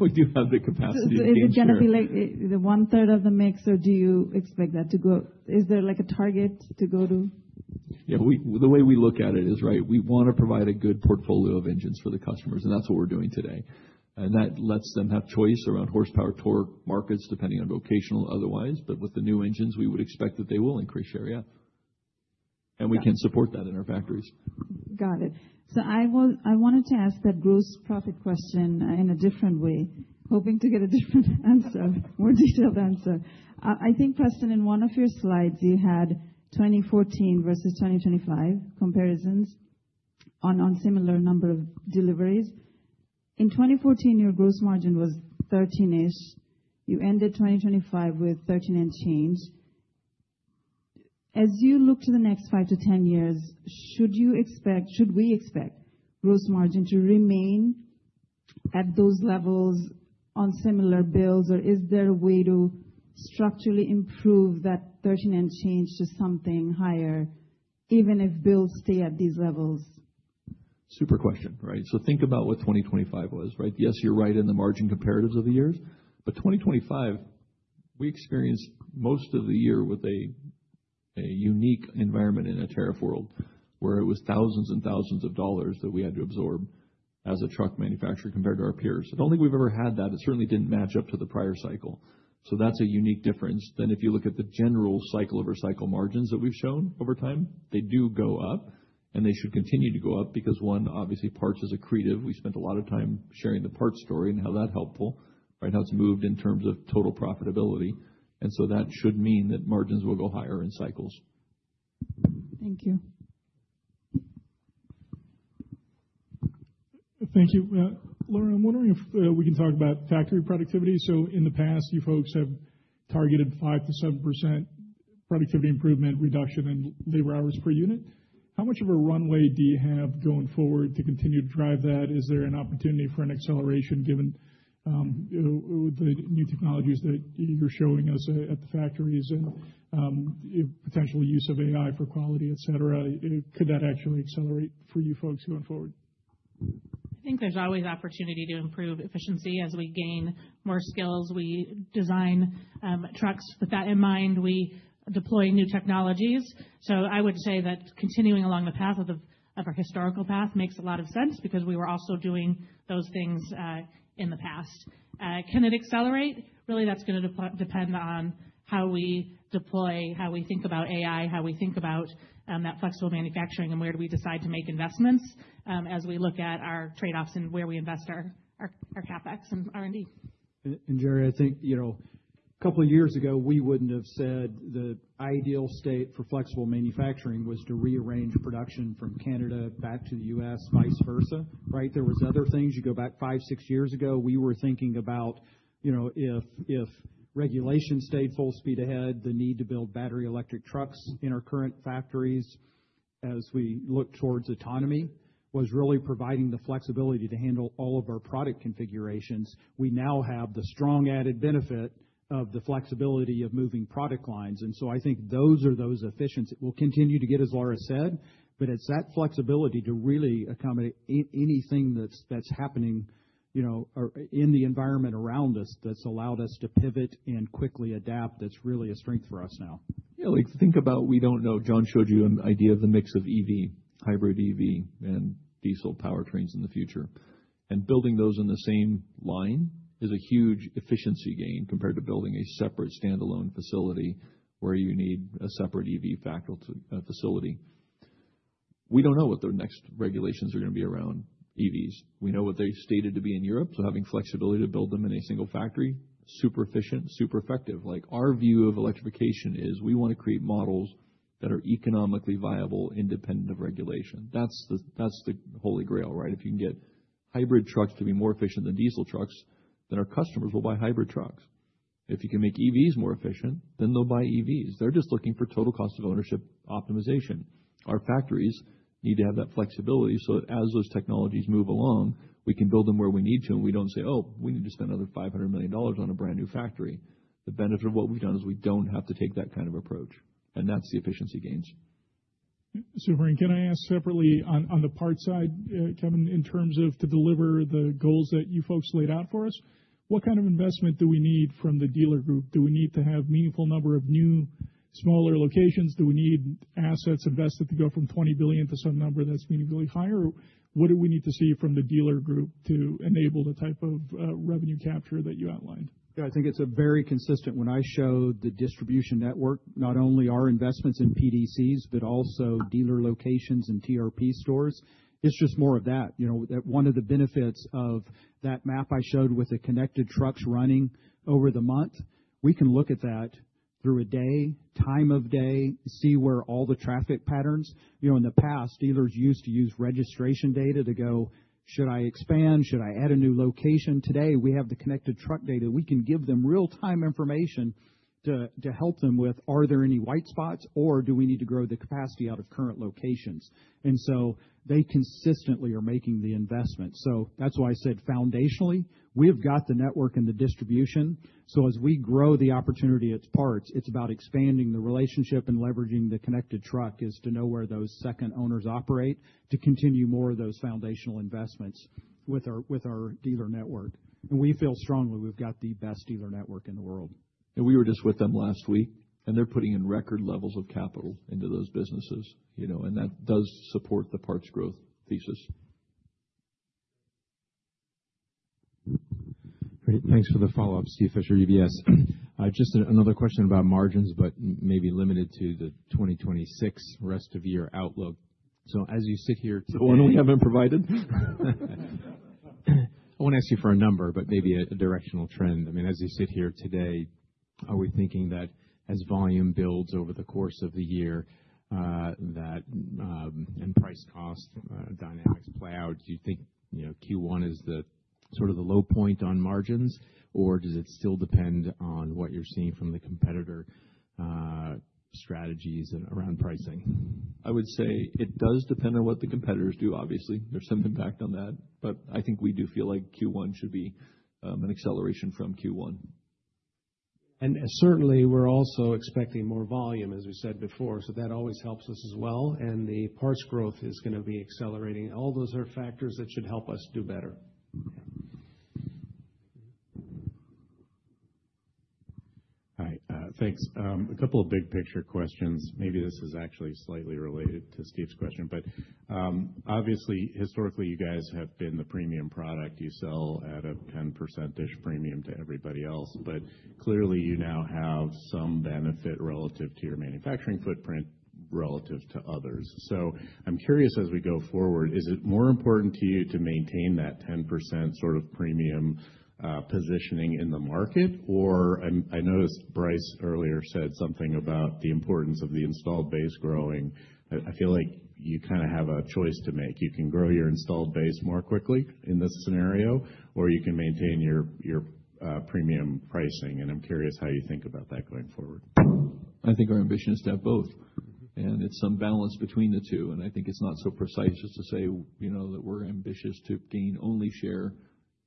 We do have the capacity to gain share. Is it gonna be like, the one-third of the mix, or do you expect that to go...? Is there like a target to go to? Yeah, the way we look at it is, right, we want to provide a good portfolio of engines for the customers, and that's what we're doing today. That lets them have choice around horsepower, torque, markets, depending on vocational, otherwise, but with the new engines, we would expect that they will increase share, yeah. We can support that in our factories. Got it. So I wanted to ask that gross profit question in a different way, hoping to get a different answer, more detailed answer. I think, Preston, in one of your slides, you had 2014 versus 2025 comparisons on similar number of deliveries. In 2014, your gross margin was 13-ish%. You ended 2025 with 13 and change%. As you look to the next 5 to 10 years, should you expect, should we expect gross margin to remain at those levels on similar builds, or is there a way to structurally improve that 13 and change% to something higher, even if builds stay at these levels? Super question, right? So think about what 2025 was, right? Yes, you're right in the margin comparatives of the years, but 2025, we experienced most of the year with a unique environment in a tariff world, where it was thousands and thousands that we had to absorb as a truck manufacturer compared to our peers. I don't think we've ever had that. It certainly didn't match up to the prior cycle. So that's a unique difference. Then, if you look at the general cycle-over-cycle margins that we've shown over time, they do go up, and they should continue to go up because, one, obviously, parts is accretive. We spent a lot of time sharing the parts story and how that helpful, right? How it's moved in terms of total profitability, and so that should mean that margins will go higher in cycles. Thank you. Thank you. Laura, I'm wondering if we can talk about factory productivity. In the past, you folks have targeted 5%-7% productivity improvement, reduction in labor hours per unit. How much of a runway do you have going forward to continue to drive that? Is there an opportunity for an acceleration, given, you know, the new technologies that you're showing us at the factories and, potential use of AI for quality, et cetera? Could that actually accelerate for you folks going forward? I think there's always opportunity to improve efficiency. As we gain more skills, we design trucks. With that in mind, we deploy new technologies. So I would say that continuing along the path of the, of our historical path makes a lot of sense because we were also doing those things in the past. Can it accelerate? Really, that's going to depend on how we deploy, how we think about AI, how we think about that flexible manufacturing, and where do we decide to make investments as we look at our trade-offs and where we invest our, our, our CapEx and R&D. Jerry, I think, you know, a couple of years ago, we wouldn't have said the ideal state for flexible manufacturing was to rearrange production from Canada back to the U.S., vice versa, right? There was other things. You go back 5, 6 years ago, we were thinking about, you know, if, if regulation stayed full speed ahead, the need to build battery electric trucks in our current factories as we look towards autonomy, was really providing the flexibility to handle all of our product configurations. We now have the strong added benefit of the flexibility of moving product lines. And so I think those are those efficiencies we'll continue to get, as Laura said, but it's that flexibility to really accommodate anything that's happening, you know, in the environment around us, that's allowed us to pivot and quickly adapt. That's really a strength for us now. Yeah, like, think about we don't know. John showed you an idea of the mix of EV, hybrid EV, and diesel powertrains in the future. And building those in the same line is a huge efficiency gain compared to building a separate standalone facility where you need a separate EV facility. We don't know what the next regulations are going to be around EVs. We know what they stated to be in Europe, so having flexibility to build them in a single factory, super efficient, super effective. Like, our view of electrification is we want to create models that are economically viable, independent of regulation. That's the, that's the Holy Grail, right? If you can get hybrid trucks to be more efficient than diesel trucks, then our customers will buy hybrid trucks. If you can make EVs more efficient, then they'll buy EVs. They're just looking for total cost of ownership optimization. Our factories need to have that flexibility so that as those technologies move along, we can build them where we need to, and we don't say: Oh, we need to spend another $500 million on a brand-new factory. The benefit of what we've done is we don't have to take that kind of approach, and that's the efficiency gains. Super. And can I ask separately on, on the parts side, Kevin, in terms of to deliver the goals that you folks laid out for us, what kind of investment do we need from the dealer group? Do we need to have meaningful number of new, smaller locations? Do we need assets invested to go from $20 billion to some number that's meaningfully higher? What do we need to see from the dealer group to enable the type of revenue capture that you outlined? Yeah, I think it's a very consistent. When I showed the distribution network, not only our investments in PDCs, but also dealer locations and TRP stores, it's just more of that. You know, one of the benefits of that map I showed with the connected trucks running over the month, we can look at that through a day, time of day, see where all the traffic patterns. You know, in the past, dealers used to use registration data to go, "Should I expand? Should I add a new location?" Today, we have the connected truck data. We can give them real-time information to, to help them with, are there any white spots, or do we need to grow the capacity out of current locations? And so they consistently are making the investment. So that's why I said, foundationally, we have got the network and the distribution, so as we grow the opportunity, it's parts. It's about expanding the relationship and leveraging the connected truck, is to know where those second owners operate, to continue more of those foundational investments with our, with our dealer network. And we feel strongly we've got the best dealer network in the world. We were just with them last week, and they're putting in record levels of capital into those businesses, you know, and that does support the parts growth thesis. Great. Thanks for the follow-up, Steve Fisher, UBS. Just another question about margins, but maybe limited to the 2026 rest of year outlook. So as you sit here today- The one we haven't provided? I won't ask you for a number, but maybe a directional trend. I mean, as you sit here today, are we thinking that as volume builds over the course of the year, that, and price cost dynamics play out, do you think, you know, Q1 is the sort of the low point on margins, or does it still depend on what you're seeing from the competitor strategies around pricing? I would say it does depend on what the competitors do. Obviously, there's some impact on that, but I think we do feel like Q1 should be an acceleration from Q1. Certainly, we're also expecting more volume, as we said before, so that always helps us as well, and the parts growth is gonna be accelerating. All those are factors that should help us do better. Mm-hmm. Hi, thanks. A couple of big picture questions. Maybe this is actually slightly related to Steve's question, but obviously, historically, you guys have been the premium product. You sell at a 10% premium to everybody else, but clearly, you now have some benefit relative to your manufacturing footprint relative to others. So I'm curious, as we go forward, is it more important to you to maintain that 10% sort of premium positioning in the market? Or, I noticed Brice earlier said something about the importance of the installed base growing. I feel like you kind of have a choice to make. You can grow your installed base more quickly in this scenario, or you can maintain your premium pricing, and I'm curious how you think about that going forward. I think our ambition is to have both, and it's some balance between the two, and I think it's not so precise as to say, you know, that we're ambitious to gain only share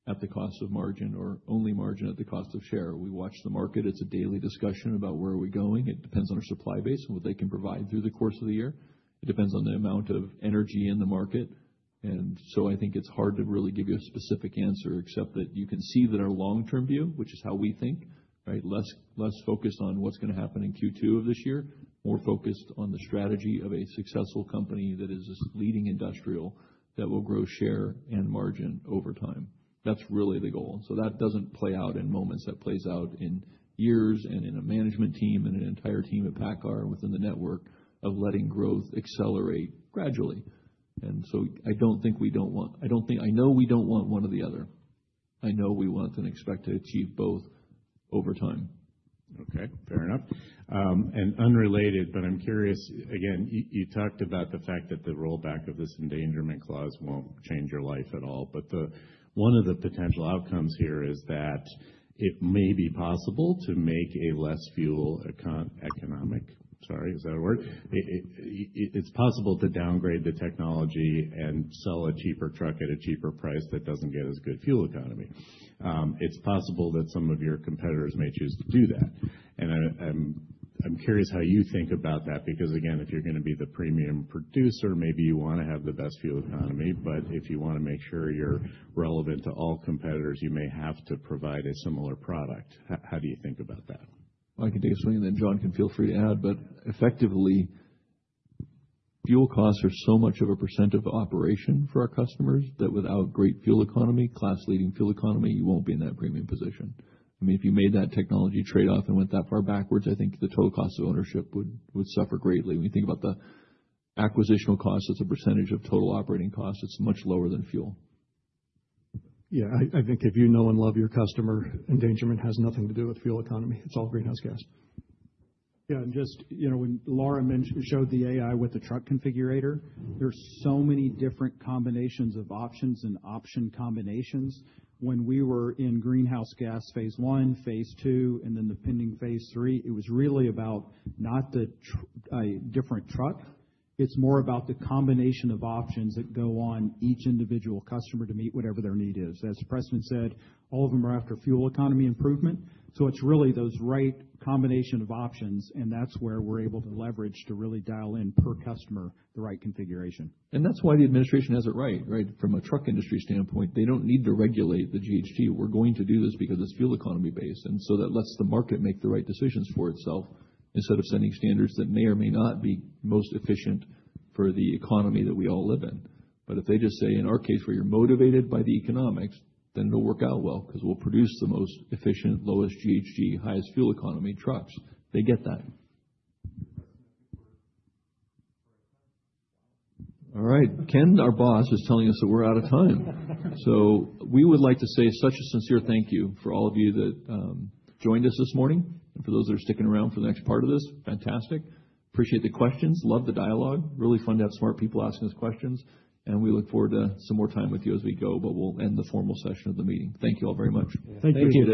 at the cost of margin or only margin at the cost of share. We watch the market. It's a daily discussion about where are we going. It depends on our supply base and what they can provide through the course of the year. It depends on the amount of energy in the market, and so I think it's hard to really give you a specific answer, except that you can see that our long-term view, which is how we think, right? Less, less focused on what's gonna happen in Q2 of this year, more focused on the strategy of a successful company that is this leading industrial that will grow, share, and margin over time. That's really the goal. So that doesn't play out in moments. That plays out in years and in a management team and an entire team at PACCAR within the network of letting growth accelerate gradually. And so I know we don't want one or the other. I know we want and expect to achieve both over time. Okay, fair enough. And unrelated, but I'm curious, again, you talked about the fact that the rollback of this endangerment clause won't change your life at all, but one of the potential outcomes here is that it may be possible to make a less fuel economic... Sorry, is that a word? It's possible to downgrade the technology and sell a cheaper truck at a cheaper price that doesn't get as good fuel economy. It's possible that some of your competitors may choose to do that. And I'm curious how you think about that, because, again, if you're gonna be the premium producer, maybe you wanna have the best fuel economy, but if you wanna make sure you're relevant to all competitors, you may have to provide a similar product. How do you think about that? I can take a swing, and then John can feel free to add. But effectively, fuel costs are so much of a percent of operation for our customers that without great fuel economy, class leading fuel economy, you won't be in that premium position. I mean, if you made that technology trade-off and went that far backwards, I think the total cost of ownership would suffer greatly. When you think about the acquisition cost as a percentage of total operating costs, it's much lower than fuel. Yeah, I think if you know and love your customer, endangerment has nothing to do with fuel economy. It's all greenhouse gas. Yeah, and just, you know, when Laura mentioned, showed the AI with the truck configurator, there's so many different combinations of options and option combinations. When we were in Greenhouse Gas phase I, phase II, and then the pending phase III, it was really about not the different truck. It's more about the combination of options that go on each individual customer to meet whatever their need is. As the president said, all of them are after fuel economy improvement, so it's really those right combination of options, and that's where we're able to leverage to really dial in per customer, the right configuration. And that's why the administration has it right, right? From a truck industry standpoint, they don't need to regulate the GHG. We're going to do this because it's fuel economy based, and so that lets the market make the right decisions for itself instead of sending standards that may or may not be most efficient for the economy that we all live in. But if they just say, in our case, where you're motivated by the economics, then it'll work out well, 'cause we'll produce the most efficient, lowest GHG, highest fuel economy trucks. They get that. All right, Ken, our boss, is telling us that we're out of time. So we would like to say such a sincere thank you for all of you that joined us this morning, and for those that are sticking around for the next part of this, fantastic. Appreciate the questions, love the dialogue. Really fun to have smart people asking us questions, and we look forward to some more time with you as we go, but we'll end the formal session of the meeting. Thank you all very much. Thank you.